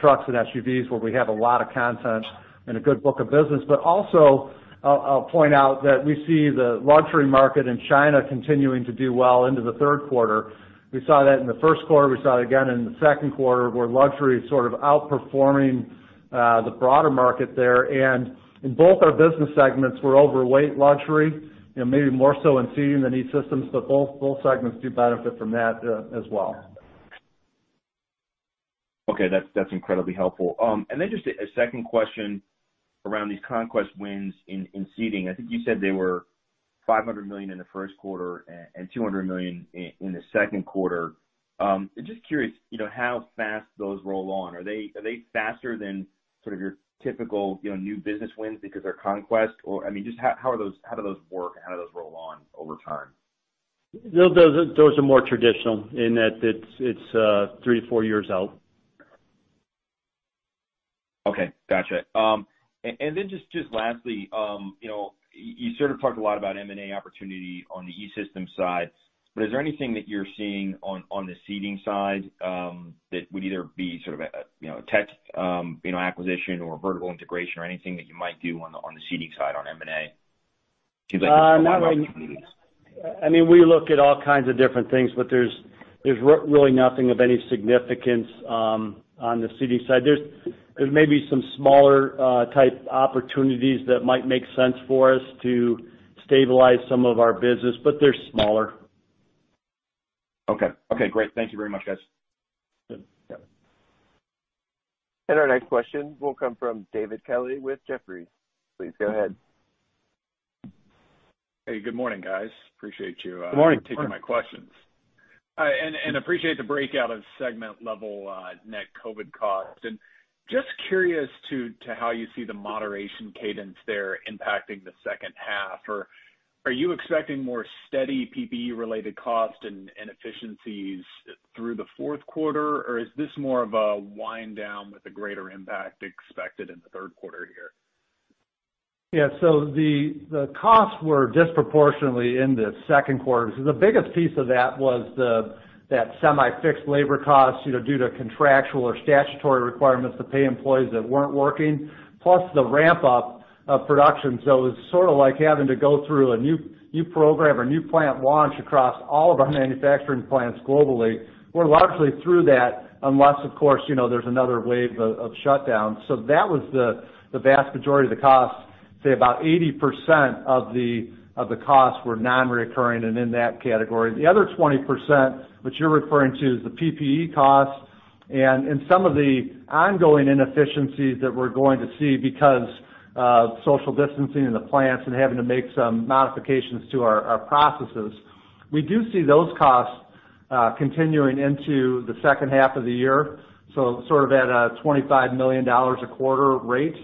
trucks and SUVs where we have a lot of content and a good book of business. Also, I'll point out that we see the luxury market in China continuing to do well into the third quarter. We saw that in the first quarter, we saw it again in the second quarter, where luxury is sort of outperforming the broader market there. In both our business segments, we're overweight luxury, maybe more so in Seating than E-Systems, but both segments do benefit from that as well. Okay. That's incredibly helpful. Just a second question around these conquest wins in Seating. I think you said they were $500 million in the first quarter and $200 million in the second quarter. Just curious, how fast those roll on. Are they faster than sort of your typical new business wins because they're conquest? Just how do those work and how do those roll on over time? Those are more traditional in that it's three to four years out. Okay. Got you. Just lastly, you sort of talked a lot about M&A opportunity on the E-Systems side, but is there anything that you're seeing on the Seating side that would either be sort of a tech acquisition or vertical integration or anything that you might do on the Seating side on M&A? Not right now. We look at all kinds of different things, but there's really nothing of any significance on the Seating side. There's maybe some smaller type opportunities that might make sense for us to stabilize some of our business, but they're smaller. Okay. Great. Thank you very much, guys. Good. Yeah. Our next question will come from David Kelley with Jefferies. Please go ahead. Hey, good morning, guys. Good morning. Appreciate for taking my questions. Appreciate the breakout of segment level net COVID costs. Just curious to how you see the moderation cadence there impacting the second half? Are you expecting more steady PPE related cost and inefficiencies through the fourth quarter? Is this more of a wind down with a greater impact expected in the third quarter here? The costs were disproportionately in the second quarter. The biggest piece of that was that semi-fixed labor cost due to contractual or statutory requirements to pay employees that weren't working, plus the ramp-up of production. It was sort of like having to go through a new program or new plant launch across all of our manufacturing plants globally. We're largely through that, unless, of course, there's another wave of shutdowns. That was the vast majority of the cost. Say about 80% of the costs were non-reoccurring and in that category. The other 20%, which you're referring to, is the PPE cost and some of the ongoing inefficiencies that we're going to see because of social distancing in the plants and having to make some modifications to our processes. We do see those costs continuing into the second half of the year, so sort of at a $25 million a quarter rate.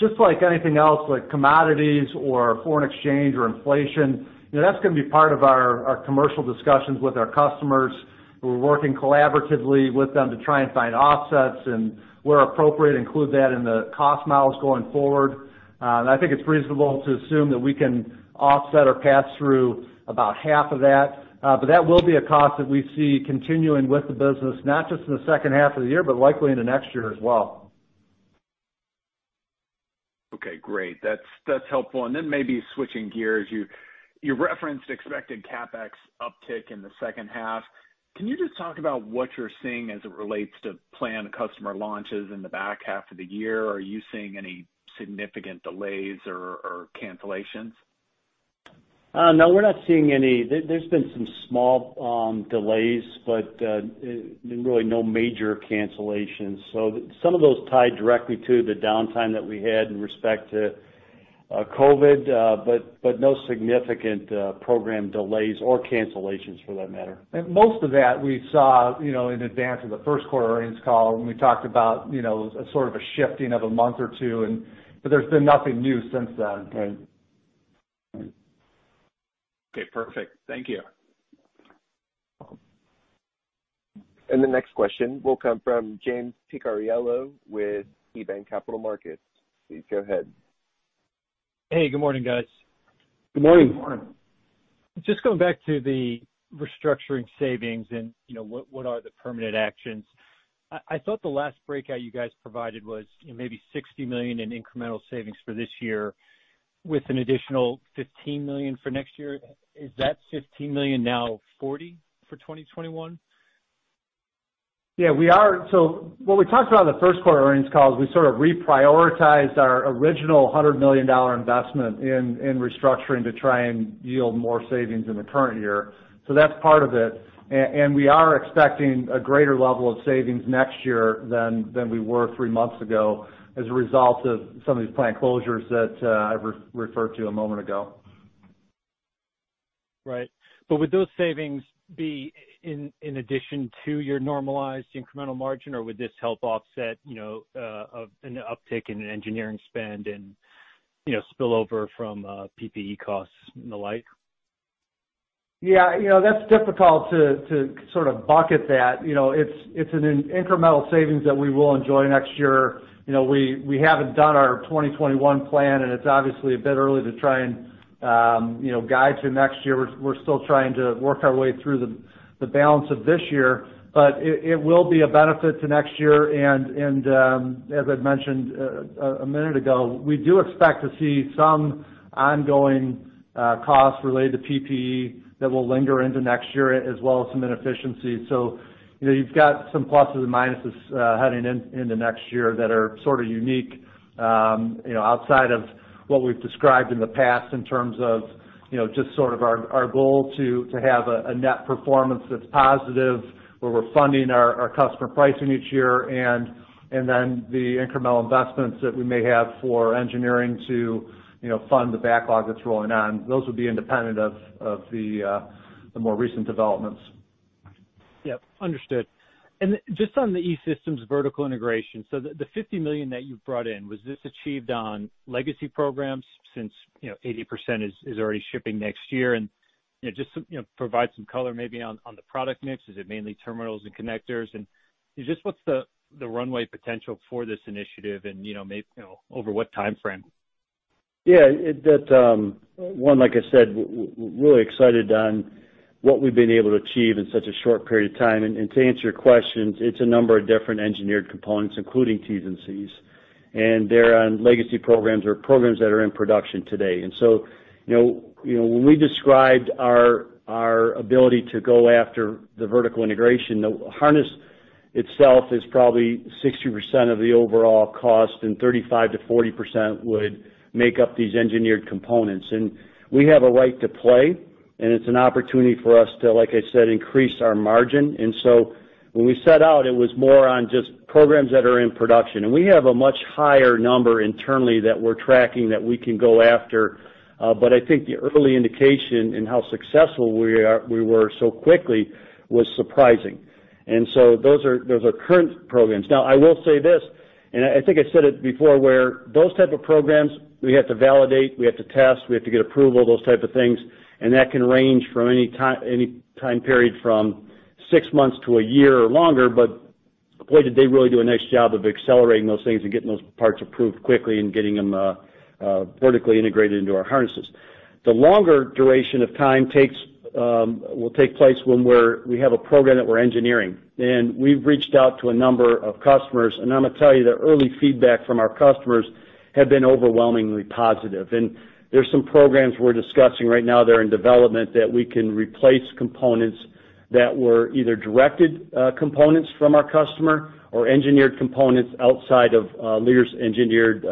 Just like anything else, like commodities or foreign exchange or inflation, that's going to be part of our commercial discussions with our customers, who we're working collaboratively with them to try and find offsets and where appropriate, include that in the cost models going forward. I think it's reasonable to assume that we can offset or pass through about half of that. That will be a cost that we see continuing with the business, not just in the second half of the year, but likely into next year as well. Okay, great. That's helpful. Maybe switching gears, you referenced expected CapEx uptick in the second half. Can you just talk about what you're seeing as it relates to planned customer launches in the back half of the year? Are you seeing any significant delays or cancellations? No, we're not seeing any. There's been some small delays, but really no major cancellations. Some of those tie directly to the downtime that we had in respect to COVID, but no significant program delays or cancellations for that matter. Most of that we saw in advance of the first quarter earnings call when we talked about sort of a shifting of a month or two, but there's been nothing new since then. Okay, perfect. Thank you. The next question will come from James Picariello with KeyBanc Capital Markets. Please go ahead. Hey, good morning, guys. Good morning. Good morning. Just going back to the restructuring savings and what are the permanent actions? I thought the last breakout you guys provided was maybe $60 million in incremental savings for this year, with an additional $15 million for next year. Is that $15 million now $40 million for 2021? Yeah. What we talked about in the first quarter earnings call is we sort of reprioritized our original $100 million investment in restructuring to try and yield more savings in the current year. That's part of it. We are expecting a greater level of savings next year than we were three months ago as a result of some of these plant closures that I referred to a moment ago. Right. Would those savings be in addition to your normalized incremental margin, or would this help offset an uptick in engineering spend and spillover from PPE costs and the like? Yeah. That's difficult to sort of bucket that. It's an incremental savings that we will enjoy next year. We haven't done our 2021 plan. It's obviously a bit early to try and guide to next year. We're still trying to work our way through the balance of this year. It will be a benefit to next year, and as I mentioned a minute ago, we do expect to see some ongoing costs related to PPE that will linger into next year, as well as some inefficiencies. You've got some pluses and minuses heading into next year that are sort of unique, outside of what we've described in the past in terms of just sort of our goal to have a net performance that's positive, where we're funding our customer pricing each year, and then the incremental investments that we may have for engineering to fund the backlog that's rolling on. Those would be independent of the more recent developments. Yep, understood. Just on the E-Systems vertical integration, the $50 million that you've brought in, was this achieved on legacy programs since 80% is already shipping next year? Just provide some color maybe on the product mix. Is it mainly terminals and connectors? Just what's the runway potential for this initiative and maybe over what timeframe? Yeah. One, like I said, we're really excited on what we've been able to achieve in such a short period of time. To answer your question, it's a number of different engineered components, including terminals and connectors, and they're on legacy programs or programs that are in production today. When we described our ability to go after the vertical integration, the harness itself is probably 60% of the overall cost, and 35%-40% would make up these engineered components. We have a right to play, and it's an opportunity for us to, like I said, increase our margin. When we set out, it was more on just programs that are in production. We have a much higher number internally that we're tracking that we can go after. I think the early indication in how successful we were so quickly was surprising. Those are current programs. Now, I will say this, and I think I said it before, where those type of programs, we have to validate, we have to test, we have to get approval, those type of things, and that can range from any time period from six months to a year or longer. Boy, did they really do a nice job of accelerating those things and getting those parts approved quickly and getting them vertically integrated into our harnesses. The longer duration of time will take place when we have a program that we're engineering. We've reached out to a number of customers, and I'm going to tell you, the early feedback from our customers have been overwhelmingly positive. There's some programs we're discussing right now that are in development that we can replace components that were either directed components from our customer or engineered components outside of Lear's engineered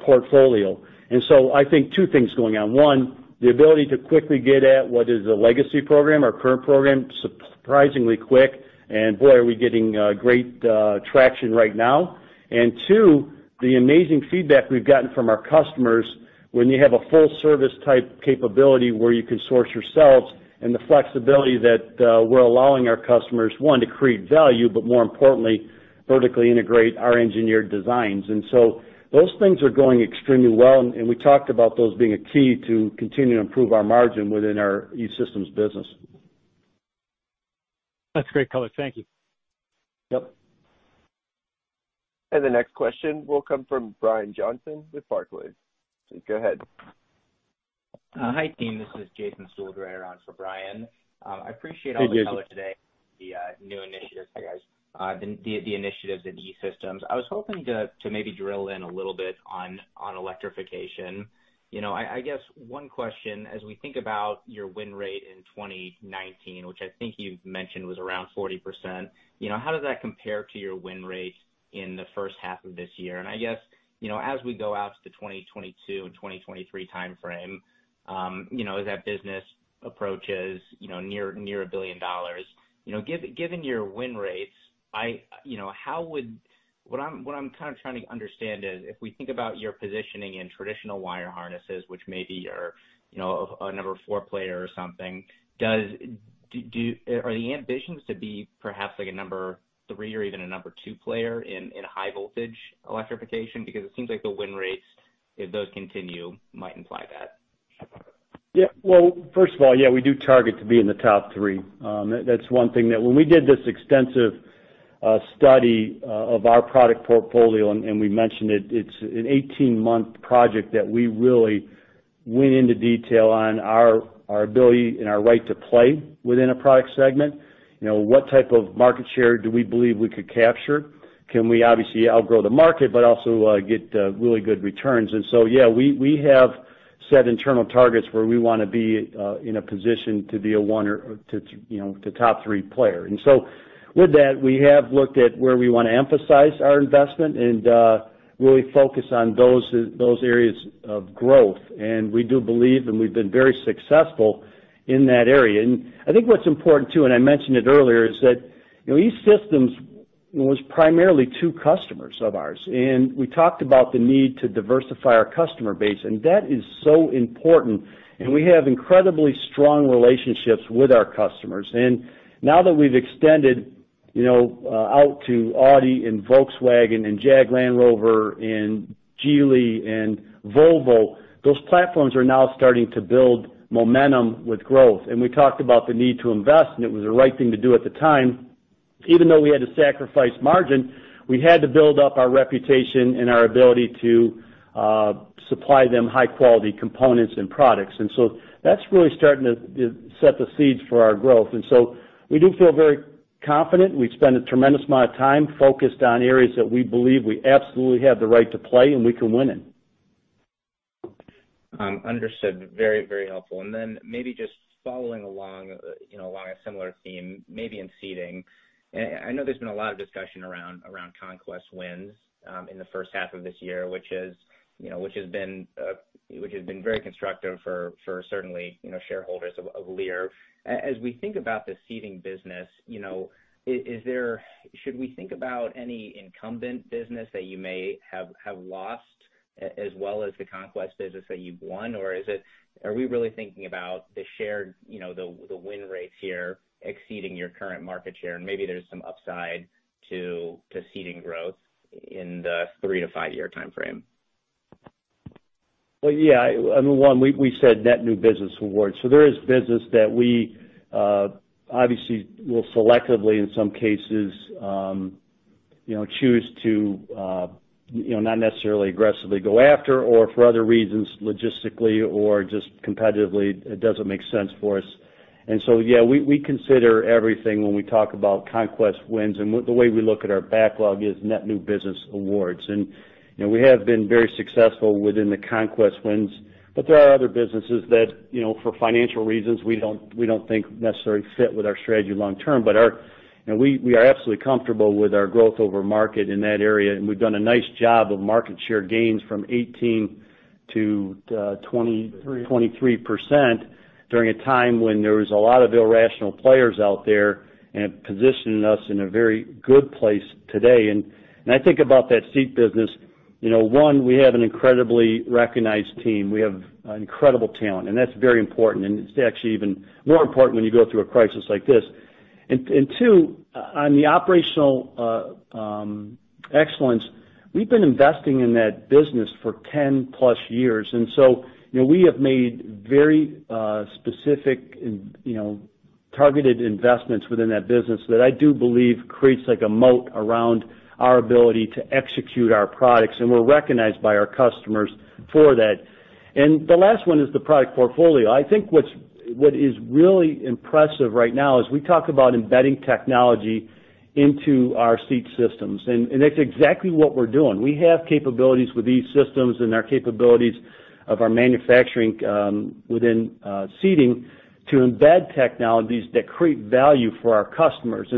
portfolio. I think two things going on. One, the ability to quickly get at what is a legacy program or current program surprisingly quick, and boy, are we getting great traction right now. Two, the amazing feedback we've gotten from our customers when you have a full service type capability where you can source yourselves and the flexibility that we're allowing our customers, one, to create value, but more importantly, vertically integrate our engineered designs. Those things are going extremely well, and we talked about those being a key to continue to improve our margin within our E-Systems business. That's great color. Thank you. Yep. The next question will come from Brian Johnson with Barclays. Please go ahead. Hi, team. This is Jason Stuhldreher on for Brian. Hey, Jason. I appreciate all the color today, the new initiatives. Hi, guys. The initiatives in E-Systems. I was hoping to maybe drill in a little bit on electrification. I guess one question, as we think about your win rate in 2019, which I think you've mentioned was around 40%, how does that compare to your win rate in the first half of this year? I guess, as we go out to 2022 and 2023 timeframe, as that business approaches near $1 billion, given your win rates, what I'm kind of trying to understand is if we think about your positioning in traditional wire harnesses, which may be are a number four player or something. Are the ambitions to be perhaps like a number three or even a number two player in high voltage electrification? It seems like the win rates, if those continue, might imply that. Yeah. Well, first of all, yeah, we do target to be in the top three. That's one thing that when we did this extensive study of our product portfolio, we mentioned it's an 18-month project that we really went into detail on our ability and our right to play within a product segment. What type of market share do we believe we could capture? Can we obviously outgrow the market, also get really good returns? Yeah, we have set internal targets where we want to be in a position to be a top three player. With that, we have looked at where we want to emphasize our investment and really focus on those areas of growth. We do believe, we've been very successful in that area. I think what's important, too, and I mentioned it earlier, is that E-Systems was primarily two customers of ours, and we talked about the need to diversify our customer base, and that is so important. We have incredibly strong relationships with our customers. Now that we've extended out to Audi and Volkswagen and Jaguar Land Rover and Geely and Volvo, those platforms are now starting to build momentum with growth. We talked about the need to invest, and it was the right thing to do at the time. Even though we had to sacrifice margin, we had to build up our reputation and our ability to supply them high-quality components and products. That's really starting to set the seeds for our growth. We do feel very confident. We've spent a tremendous amount of time focused on areas that we believe we absolutely have the right to play and we can win in. Understood. Very helpful. Then maybe just following along a similar theme, maybe in Seating. I know there's been a lot of discussion around conquest wins in the first half of this year, which has been very constructive for certainly shareholders of Lear. As we think about the Seating business, should we think about any incumbent business that you may have lost as well as the conquest business that you've won? Are we really thinking about the win rates here exceeding your current market share? Maybe there's some upside to Seating growth in the three to five-year timeframe. Well, yeah. I mean, one, we said net new business awards. There is business that we obviously will selectively, in some cases, choose to not necessarily aggressively go after or for other reasons, logistically or just competitively, it doesn't make sense for us. Yeah, we consider everything when we talk about conquest wins. The way we look at our backlog is net new business awards. We have been very successful within the conquest wins. There are other businesses that, for financial reasons, we don't think necessarily fit with our strategy long term. We are absolutely comfortable with our growth over market in that area. We've done a nice job of market share gains from 18% to 23% during a time when there was a lot of irrational players out there and positioning us in a very good place today. I think about that Seating business. One, we have an incredibly recognized team. We have incredible talent, and that's very important, and it's actually even more important when you go through a crisis like this. Two, on the operational excellence, we've been investing in that business for 10 plus years, so we have made very specific and targeted investments within that business that I do believe creates, like, a moat around our ability to execute our products. We're recognized by our customers for that. The last one is the product portfolio. I think what is really impressive right now is we talk about embedding technology into our Seating systems, and that's exactly what we're doing. We have capabilities with these systems and our capabilities of our manufacturing within Seating to embed technologies that create value for our customers.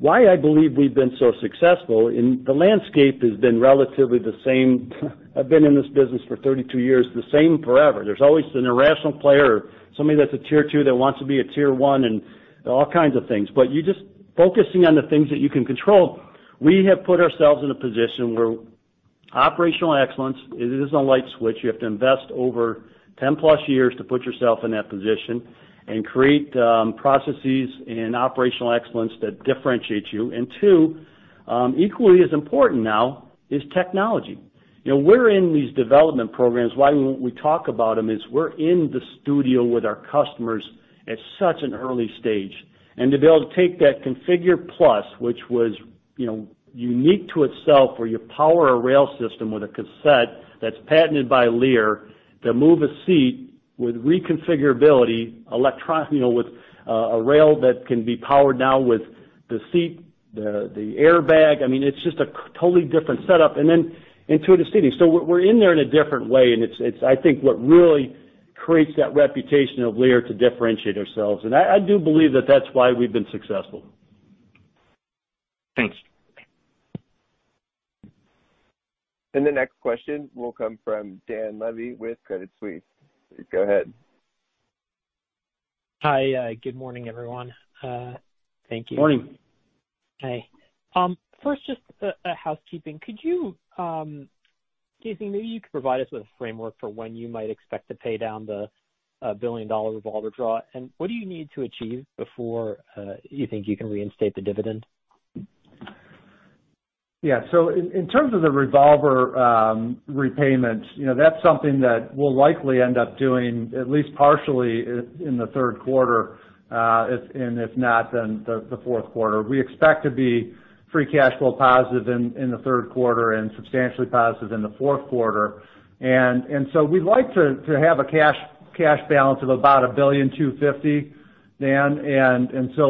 Why I believe we've been so successful, the landscape has been relatively the same. I've been in this business for 32 years, the same forever. There's always an irrational player or somebody that's a Tier 2 that wants to be a Tier 1 and all kinds of things. You just focusing on the things that you can control. We have put ourselves in a position where operational excellence, it isn't a light switch. You have to invest over 10 plus years to put yourself in that position and create processes and operational excellence that differentiate you. Two, equally as important now is technology. We're in these development programs. Why we talk about them is we're in the studio with our customers at such an early stage. To be able to take that ConfigurE+, which was unique to itself, where you power a rail system with a cassette that's patented by Lear to move a seat with reconfigurability, with a rail that can be powered now with the seat, the airbag. I mean, it's just a totally different setup. Into the Seating. We're in there in a different way, and it's I think what really creates that reputation of Lear to differentiate ourselves. I do believe that that's why we've been successful. Thanks. The next question will come from Dan Levy with Credit Suisse. Go ahead. Hi. Good morning, everyone. Thank you. Morning. Hi. First, just a housekeeping. Jason, maybe you could provide us with a framework for when you might expect to pay down the $1 billion revolver draw, and what do you need to achieve before you think you can reinstate the dividend? Yeah. In terms of the revolver repayment, that's something that we'll likely end up doing, at least partially, in the third quarter, and if not, then the fourth quarter. We expect to be free cash flow positive in the third quarter and substantially positive in the fourth quarter. We'd like to have a cash balance of about $1.25 billion, Dan, and so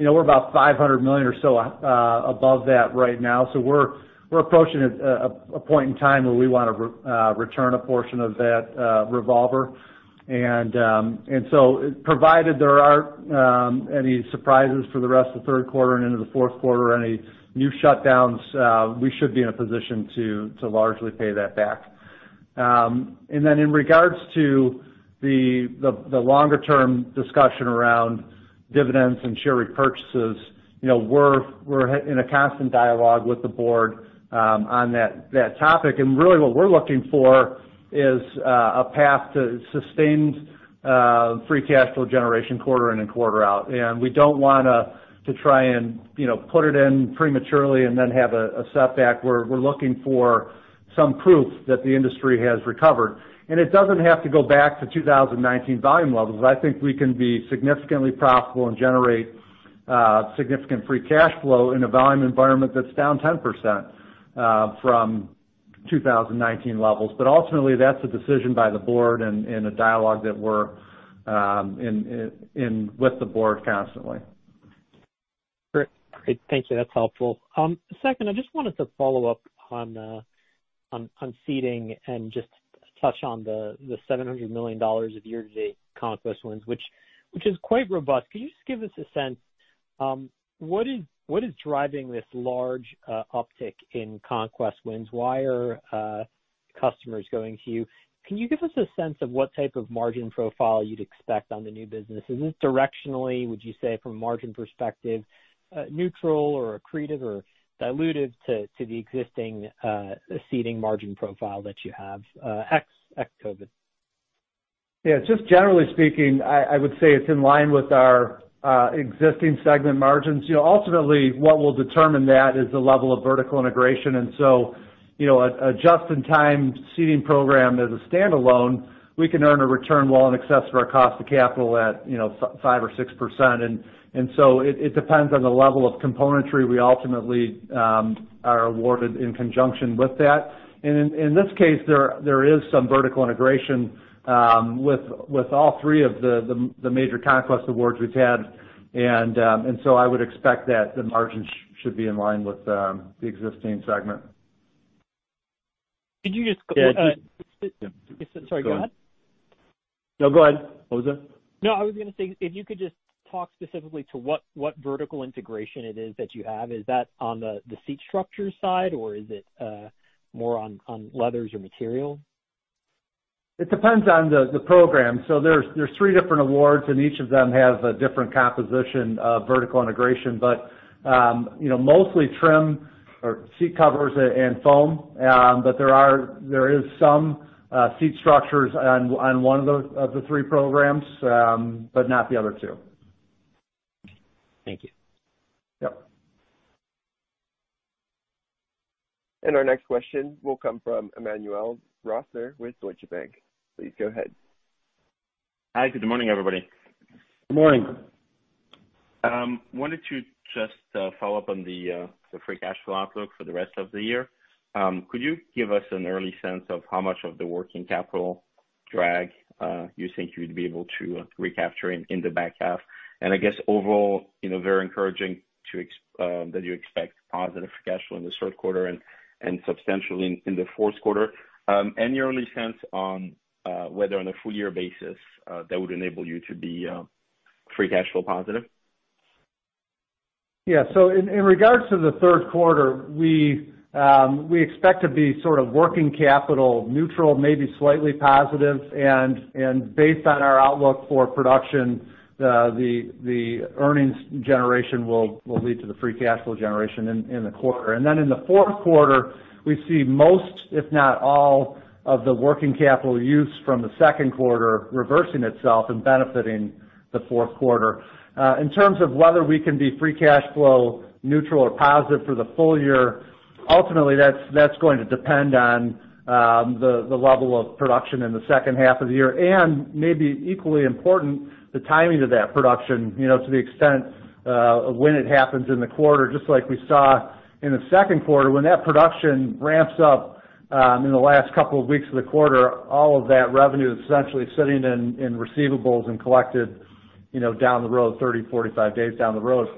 we're about $500 million or so above that right now. We're approaching a point in time where we want to return a portion of that revolver. Provided there aren't any surprises for the rest of the third quarter and into the fourth quarter or any new shutdowns, we should be in a position to largely pay that back. Then in regards to the longer-term discussion around dividends and share repurchases, we're in a constant dialogue with the board on that topic. Really what we're looking for is a path to sustained free cash flow generation quarter in and quarter out. We don't want to try and put it in prematurely and then have a setback. We're looking for some proof that the industry has recovered. It doesn't have to go back to 2019 volume levels. I think we can be significantly profitable and generate significant free cash flow in a volume environment that's down 10% from 2019 levels. Ultimately, that's a decision by the board and a dialogue that we're in with the board constantly. Great. Thank you. That's helpful. Second, I just wanted to follow up on Seating and just touch on the $700 million of year-to-date conquest wins, which is quite robust. Can you just give us a sense, what is driving this large uptick in conquest wins? Why are customers going to you? Can you give us a sense of what type of margin profile you'd expect on the new business? Is this directionally, would you say from a margin perspective, neutral or accretive or dilutive to the existing Seating margin profile that you have ex-COVID? Yeah, just generally speaking, I would say it's in line with our existing segment margins. Ultimately, what will determine that is the level of vertical integration. A just-in-time Seating program as a standalone, we can earn a return well in excess of our cost of capital at 5% or 6%. It depends on the level of componentry we ultimately are awarded in conjunction with that. In this case, there is some vertical integration with all three of the major conquest awards we've had. I would expect that the margins should be in line with the existing segment. Could you just- Sorry, go ahead. No, go ahead. What was that? No, I was going to say, if you could just talk specifically to what vertical integration it is that you have. Is that on the seat structures side or is it more on leathers or material? It depends on the program. There's three different awards, and each of them have a different composition of vertical integration, but mostly trim or seat covers and foam. There is some seat structures on one of the three programs, but not the other two. Thank you. Our next question will come from Emmanuel Rosner with Deutsche Bank. Please go ahead. Hi. Good morning, everybody. Good morning. Wanted to just follow up on the free cash flow outlook for the rest of the year. Could you give us an early sense of how much of the working capital drag you think you'd be able to recapture in the back half? I guess overall, very encouraging that you expect positive cash flow in the third quarter and substantially in the fourth quarter. Any early sense on whether on a full-year basis that would enable you to be free cash flow positive? Yeah. In regards to the third quarter, we expect to be sort of working capital neutral, maybe slightly positive. Based on our outlook for production, the earnings generation will lead to the free cash flow generation in the quarter. In the fourth quarter, we see most, if not all, of the working capital use from the second quarter reversing itself and benefiting the fourth quarter. In terms of whether we can be free cash flow neutral or positive for the full year, ultimately, that's going to depend on the level of production in the second half of the year. Maybe equally important, the timing of that production to the extent of when it happens in the quarter, just like we saw in the second quarter, when that production ramps up in the last couple of weeks of the quarter, all of that revenue is essentially sitting in receivables and collected down the road, 30, 45 days down the road.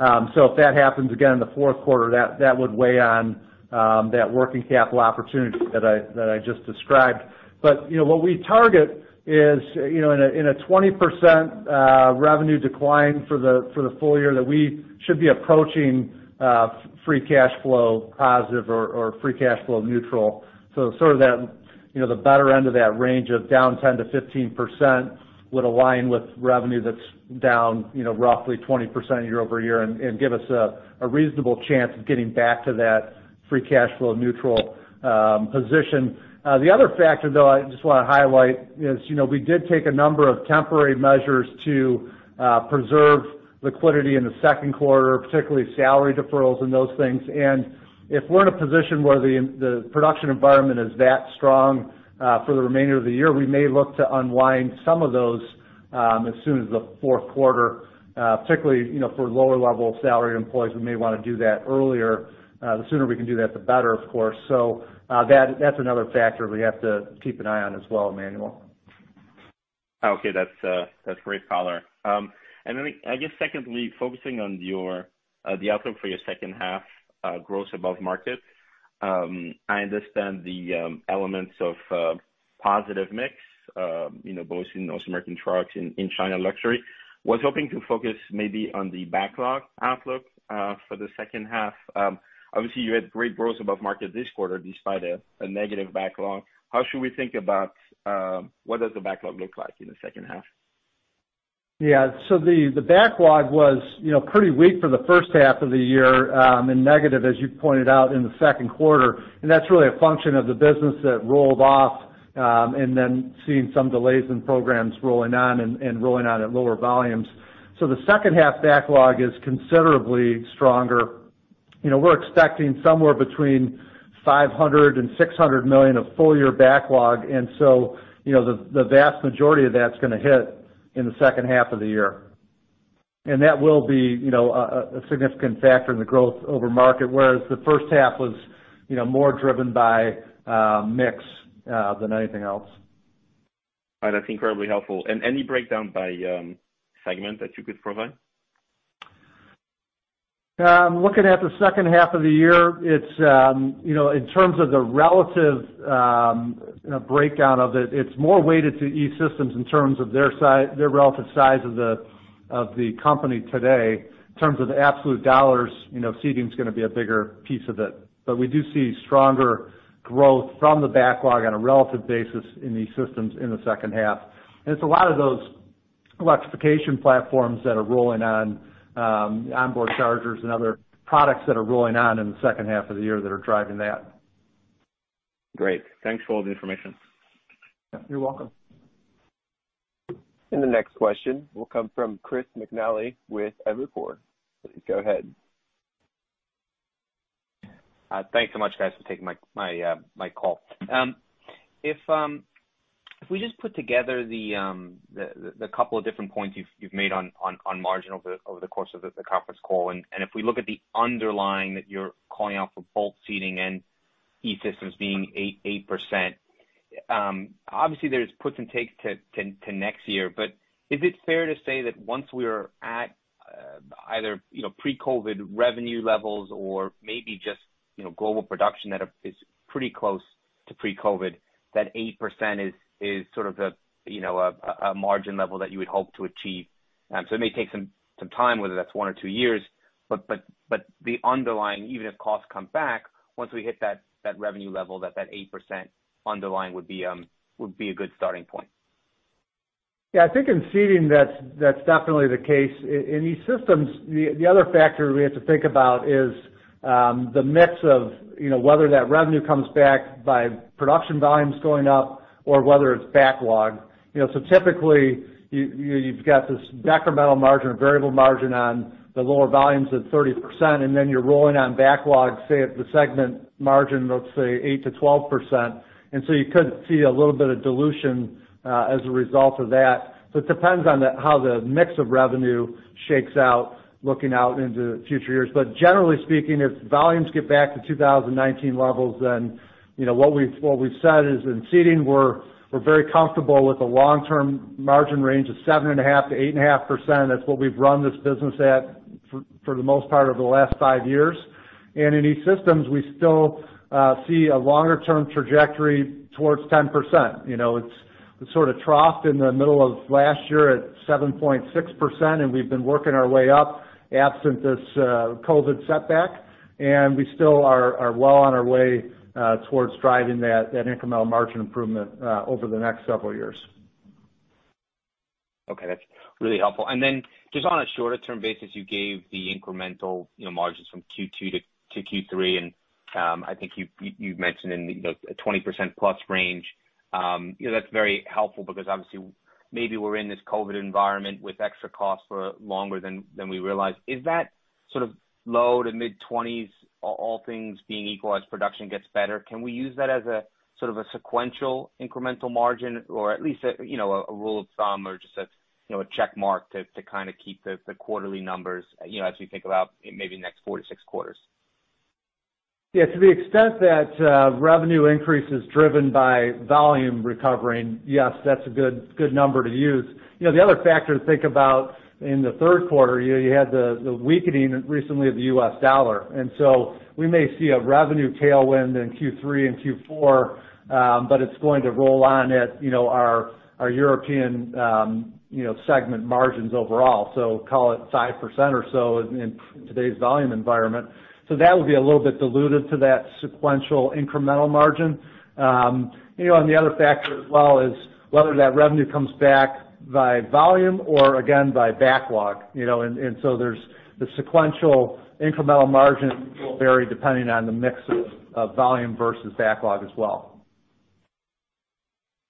If that happens again in the fourth quarter, that would weigh on that working capital opportunity that I just described. What we target is in a 20% revenue decline for the full year, that we should be approaching free cash flow positive or free cash flow neutral. Sort of the better end of that range of down 10%-15% would align with revenue that's down roughly 20% year-over-year and give us a reasonable chance of getting back to that free cash flow neutral position. The other factor, though, I just want to highlight is we did take a number of temporary measures to preserve liquidity in the second quarter, particularly salary deferrals and those things. If we're in a position where the production environment is that strong for the remainder of the year, we may look to unwind some of those as soon as the fourth quarter. Particularly for lower level salary employees, we may want to do that earlier. The sooner we can do that, the better, of course. That's another factor we have to keep an eye on as well, Emmanuel. Okay. That's great color. Then I guess secondly, focusing on the outlook for your second half growth above market. I understand the elements of positive mix both in North American trucks and in China luxury. I was hoping to focus maybe on the backlog outlook for the second half. Obviously, you had great growth above market this quarter despite a negative backlog. How should we think about what does the backlog look like in the second half? Yeah. The backlog was pretty weak for the first half of the year, and negative, as you pointed out, in the second quarter. That's really a function of the business that rolled off, and then seeing some delays in programs rolling on and rolling on at lower volumes. The second half backlog is considerably stronger. We're expecting somewhere between $500 million and $600 million of full year backlog, the vast majority of that's going to hit in the second half of the year. That will be a significant factor in the growth over market, whereas the first half was more driven by mix than anything else. That's incredibly helpful. Any breakdown by segment that you could provide? Looking at the second half of the year, in terms of the relative breakdown of it's more weighted to E-Systems in terms of their relative size of the company today. In terms of absolute dollars, Seating's going to be a bigger piece of it. We do see stronger growth from the backlog on a relative basis in E-Systems in the second half. It's a lot of those electrification platforms that are rolling on onboard chargers and other products that are rolling on in the second half of the year that are driving that. Great. Thanks for all the information. You're welcome. The next question will come from Chris McNally with Evercore. Please go ahead. Thanks so much, guys, for taking my call. If we just put together the couple of different points you've made on margin over the course of the conference call, and if we look at the underlying that you're calling out for both Seating and E-Systems being 8%, obviously there's puts and takes to next year, but is it fair to say that once we're at either pre-COVID revenue levels or maybe just global production that is pretty close to pre-COVID, that 8% is sort of a margin level that you would hope to achieve? It may take some time, whether that's one or two years, but the underlying, even if costs come back, once we hit that revenue level, that 8% underlying would be a good starting point. Yeah, I think in Seating, that's definitely the case. In E-Systems, the other factor we have to think about is the mix of whether that revenue comes back by production volumes going up or whether it's backlog. Typically, you've got this incremental margin or variable margin on the lower volumes at 30%, and then you're rolling on backlog, say, at the segment margin of, let's say, 8%-12%. You could see a little bit of dilution as a result of that. It depends on how the mix of revenue shakes out looking out into future years. Generally speaking, if volumes get back to 2019 levels, then what we've said is in Seating, we're very comfortable with a long-term margin range of 7.5%-8.5%. That's what we've run this business at for the most part over the last five years. In E-Systems, we still see a longer term trajectory towards 10%. It sort of troughed in the middle of last year at 7.6%. We've been working our way up absent this COVID setback. We still are well on our way towards driving that incremental margin improvement over the next several years. Okay. That's really helpful. Then just on a shorter term basis, you gave the incremental margins from Q2 to Q3, and I think you mentioned in the 20% plus range. That's very helpful because obviously maybe we're in this COVID environment with extra costs for longer than we realize. Is that sort of low to mid-20s, all things being equal as production gets better, can we use that as a sort of a sequential incremental margin? At least a rule of thumb or just a check mark to kind of keep the quarterly numbers as we think about maybe the next four to six quarters? Yeah, to the extent that revenue increase is driven by volume recovering, yes, that's a good number to use. The other factor to think about in the third quarter, you had the weakening recently of the U.S. dollar. We may see a revenue tailwind in Q3 and Q4, but it's going to roll on at our European segment margins overall, so call it 5% or so in today's volume environment. That will be a little bit diluted to that sequential incremental margin. The other factor as well is whether that revenue comes back via volume or again, via backlog. The sequential incremental margin will vary depending on the mix of volume versus backlog as well.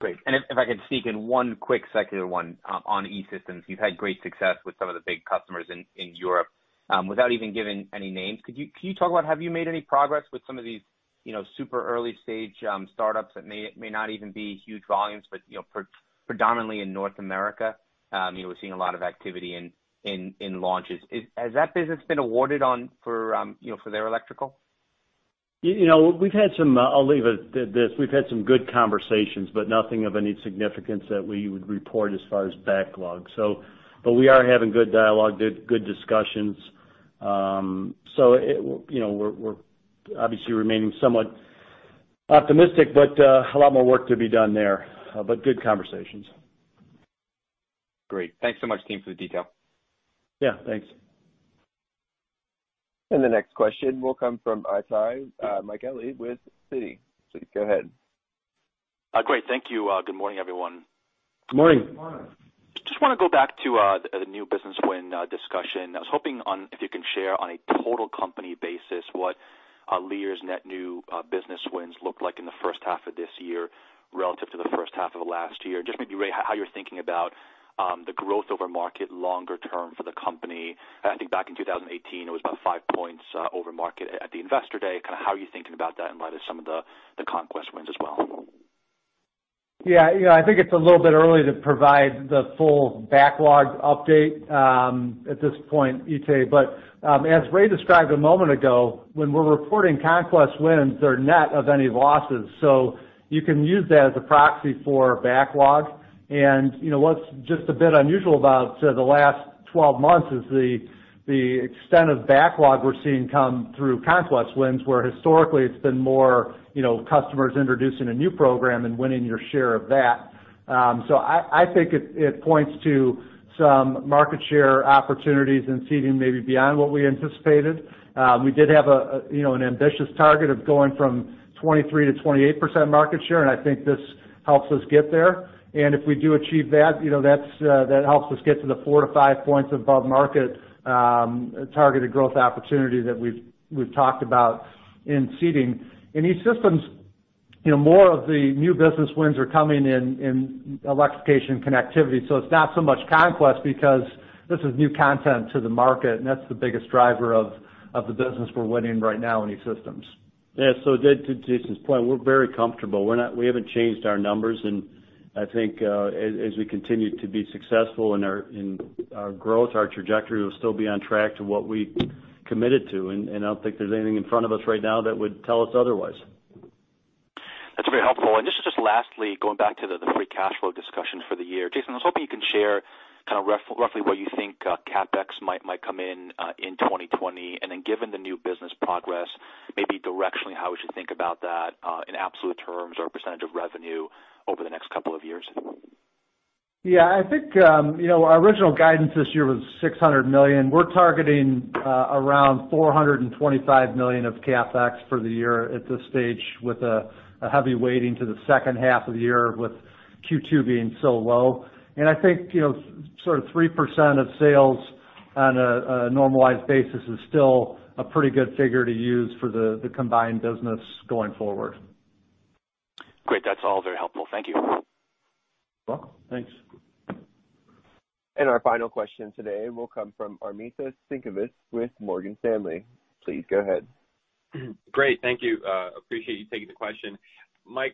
Great. If I could sneak in one quick secular one on E-Systems. You've had great success with some of the big customers in Europe. Without even giving any names, have you made any progress with some of these super early-stage startups that may not even be huge volumes but predominantly in North America? We're seeing a lot of activity in launches. Has that business been awarded for their electrical? I'll leave it at this. We've had some good conversations, but nothing of any significance that we would report as far as backlog. We are having good dialogue, good discussions. We're obviously remaining somewhat optimistic, but a lot more work to be done there, but good conversations. Great. Thanks so much, team, for the detail. Yeah, thanks. The next question will come from Itay Michaeli with Citi. Please go ahead. Great, thank you. Good morning, everyone. Good morning. Just want to go back to the new business win discussion. I was hoping if you can share on a total company basis what Lear's net new business wins look like in the first half of this year relative to the first half of last year. Just maybe, Ray, how you're thinking about the growth over market longer term for the company. I think back in 2018, it was about five points over market at the Investor Day. Kind of how are you thinking about that in light of some of the conquest wins as well? I think it's a little bit early to provide the full backlog update at this point, Itay. As Ray described a moment ago, when we're reporting conquest wins, they're net of any losses, you can use that as a proxy for backlog. What's just a bit unusual about the last 12 months is the extent of backlog we're seeing come through conquest wins, where historically it's been more customers introducing a new program and winning your share of that. I think it points to some market share opportunities in Seating maybe beyond what we anticipated. We did have an ambitious target of going from 23%-28% market share, I think this helps us get there. If we do achieve that helps us get to the four to five points above market targeted growth opportunity that we've talked about in Seating. In E-Systems, more of the new business wins are coming in electrification and connectivity. It's not so much conquest because this is new content to the market, and that's the biggest driver of the business we're winning right now in E-Systems. Yeah. To Jason's point, we're very comfortable. We haven't changed our numbers, and I think as we continue to be successful in our growth, our trajectory will still be on track to what we committed to. I don't think there's anything in front of us right now that would tell us otherwise. That's very helpful. Just lastly, going back to the free cash flow discussion for the year. Jason, I was hoping you can share kind of roughly where you think CapEx might come in in 2020, and then given the new business progress, maybe directionally how we should think about that in absolute terms or percentage of revenue over the next couple of years. Yeah, I think our original guidance this year was $600 million. We're targeting around $425 million of CapEx for the year at this stage, with a heavy weighting to the second half of the year, with Q2 being so low. I think sort of 3% of sales on a normalized basis is still a pretty good figure to use for the combined business going forward. Great. That's all very helpful. Thank you. You're welcome. Thanks. Our final question today will come from Armintas Sinkevicius with Morgan Stanley. Please go ahead. Great. Thank you. Appreciate you taking the question. Ray,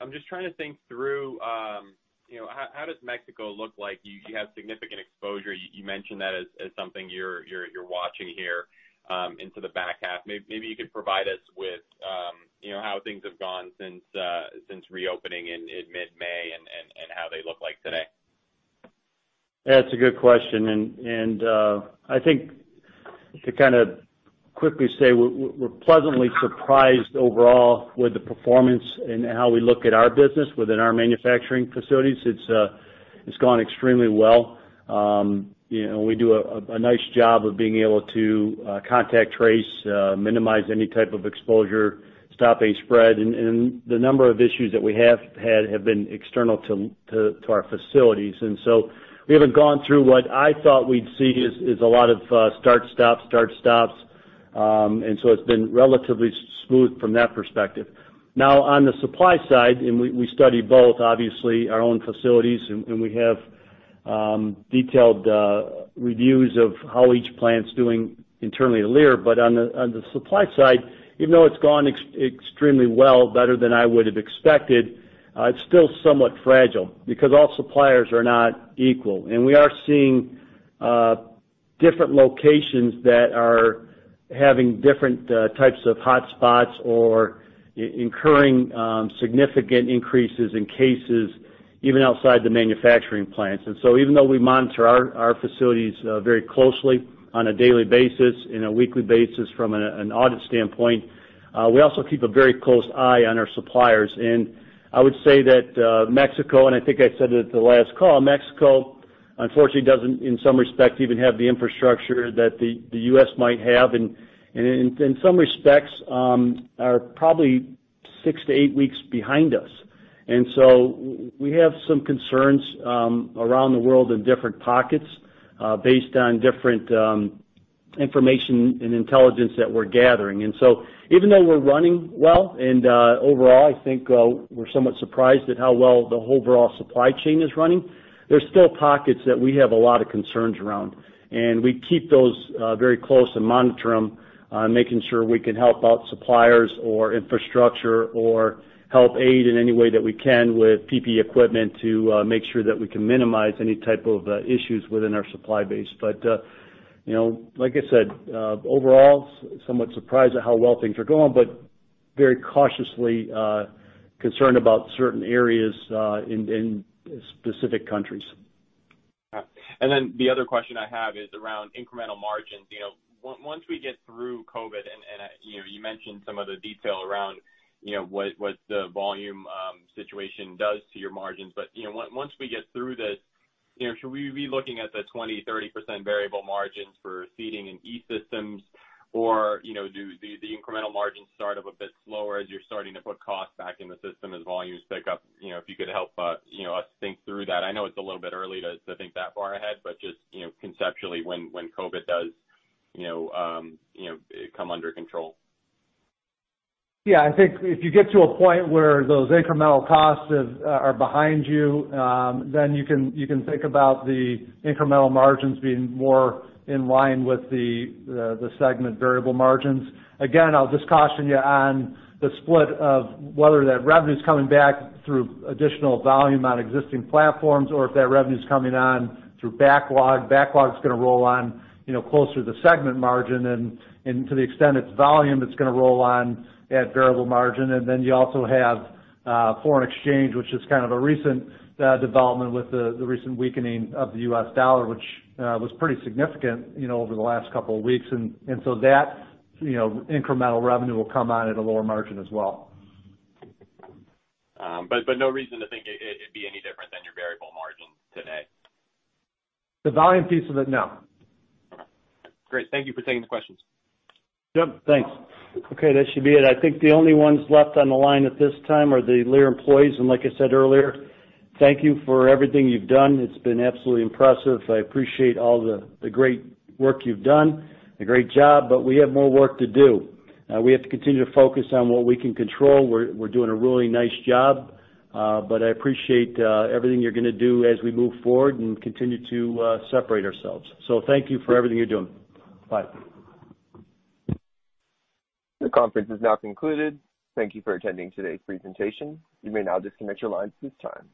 I'm just trying to think through, how does Mexico look like? You have significant exposure. You mentioned that as something you're watching here into the back half. Maybe you could provide us with how things have gone since reopening in mid-May and how they look like today. That's a good question. I think to kind of quickly say we're pleasantly surprised overall with the performance and how we look at our business within our manufacturing facilities. It's gone extremely well. We do a nice job of being able to contact trace, minimize any type of exposure, stop a spread, and the number of issues that we have had have been external to our facilities. We haven't gone through what I thought we'd see is a lot of start, stop, start, stops. It's been relatively smooth from that perspective. Now, on the supply side, and we study both, obviously, our own facilities, and we have detailed reviews of how each plant's doing internally at Lear. On the supply side, even though it's gone extremely well, better than I would have expected, it's still somewhat fragile because all suppliers are not equal. We are seeing different locations that are having different types of hotspots or incurring significant increases in cases even outside the manufacturing plants. Even though we monitor our facilities very closely on a daily basis and a weekly basis from an audit standpoint, we also keep a very close eye on our suppliers. I would say that Mexico, and I think I said it at the last call, Mexico unfortunately doesn't, in some respects, even have the infrastructure that the U.S. might have, and in some respects, are probably six to eight weeks behind us. We have some concerns around the world in different pockets based on different information and intelligence that we're gathering. Even though we're running well, and overall, I think we're somewhat surprised at how well the overall supply chain is running, there's still pockets that we have a lot of concerns around. We keep those very close and monitor them, making sure we can help out suppliers or infrastructure or help aid in any way that we can with PPE equipment to make sure that we can minimize any type of issues within our supply base. Like I said, overall, somewhat surprised at how well things are going, but very cautiously concerned about certain areas in specific countries. The other question I have is around incremental margins. Once we get through COVID-19, and you mentioned some of the detail around what the volume situation does to your margins. Once we get through this, should we be looking at the 20%-30% variable margins for Seating and E-Systems? Do the incremental margins start up a bit slower as you're starting to put cost back in the system as volumes pick up? If you could help us think through that. I know it's a little bit early to think that far ahead, but just conceptually, when COVID-19 does come under control. Yeah, I think if you get to a point where those incremental costs are behind you, then you can think about the incremental margins being more in line with the segment variable margins. Again, I'll just caution you on the split of whether that revenue's coming back through additional volume on existing platforms or if that revenue's coming on through backlog. Backlog's going to roll on closer to segment margin, and to the extent it's volume, it's going to roll on at variable margin. You also have foreign exchange, which is kind of a recent development with the recent weakening of the U.S. dollar, which was pretty significant over the last couple of weeks. That incremental revenue will come on at a lower margin as well. No reason to think it'd be any different than your variable margin today? The volume piece of it, no. Great. Thank you for taking the questions. Yep, thanks. Okay, that should be it. I think the only ones left on the line at this time are the Lear employees. Like I said earlier, thank you for everything you've done. It's been absolutely impressive. I appreciate all the great work you've done, the great job, but we have more work to do. We have to continue to focus on what we can control. We're doing a really nice job. I appreciate everything you're going to do as we move forward and continue to separate ourselves. Thank you for everything you're doing. Bye. This conference is now concluded. Thank you for attending today's presentation. You may now disconnect your lines at this time.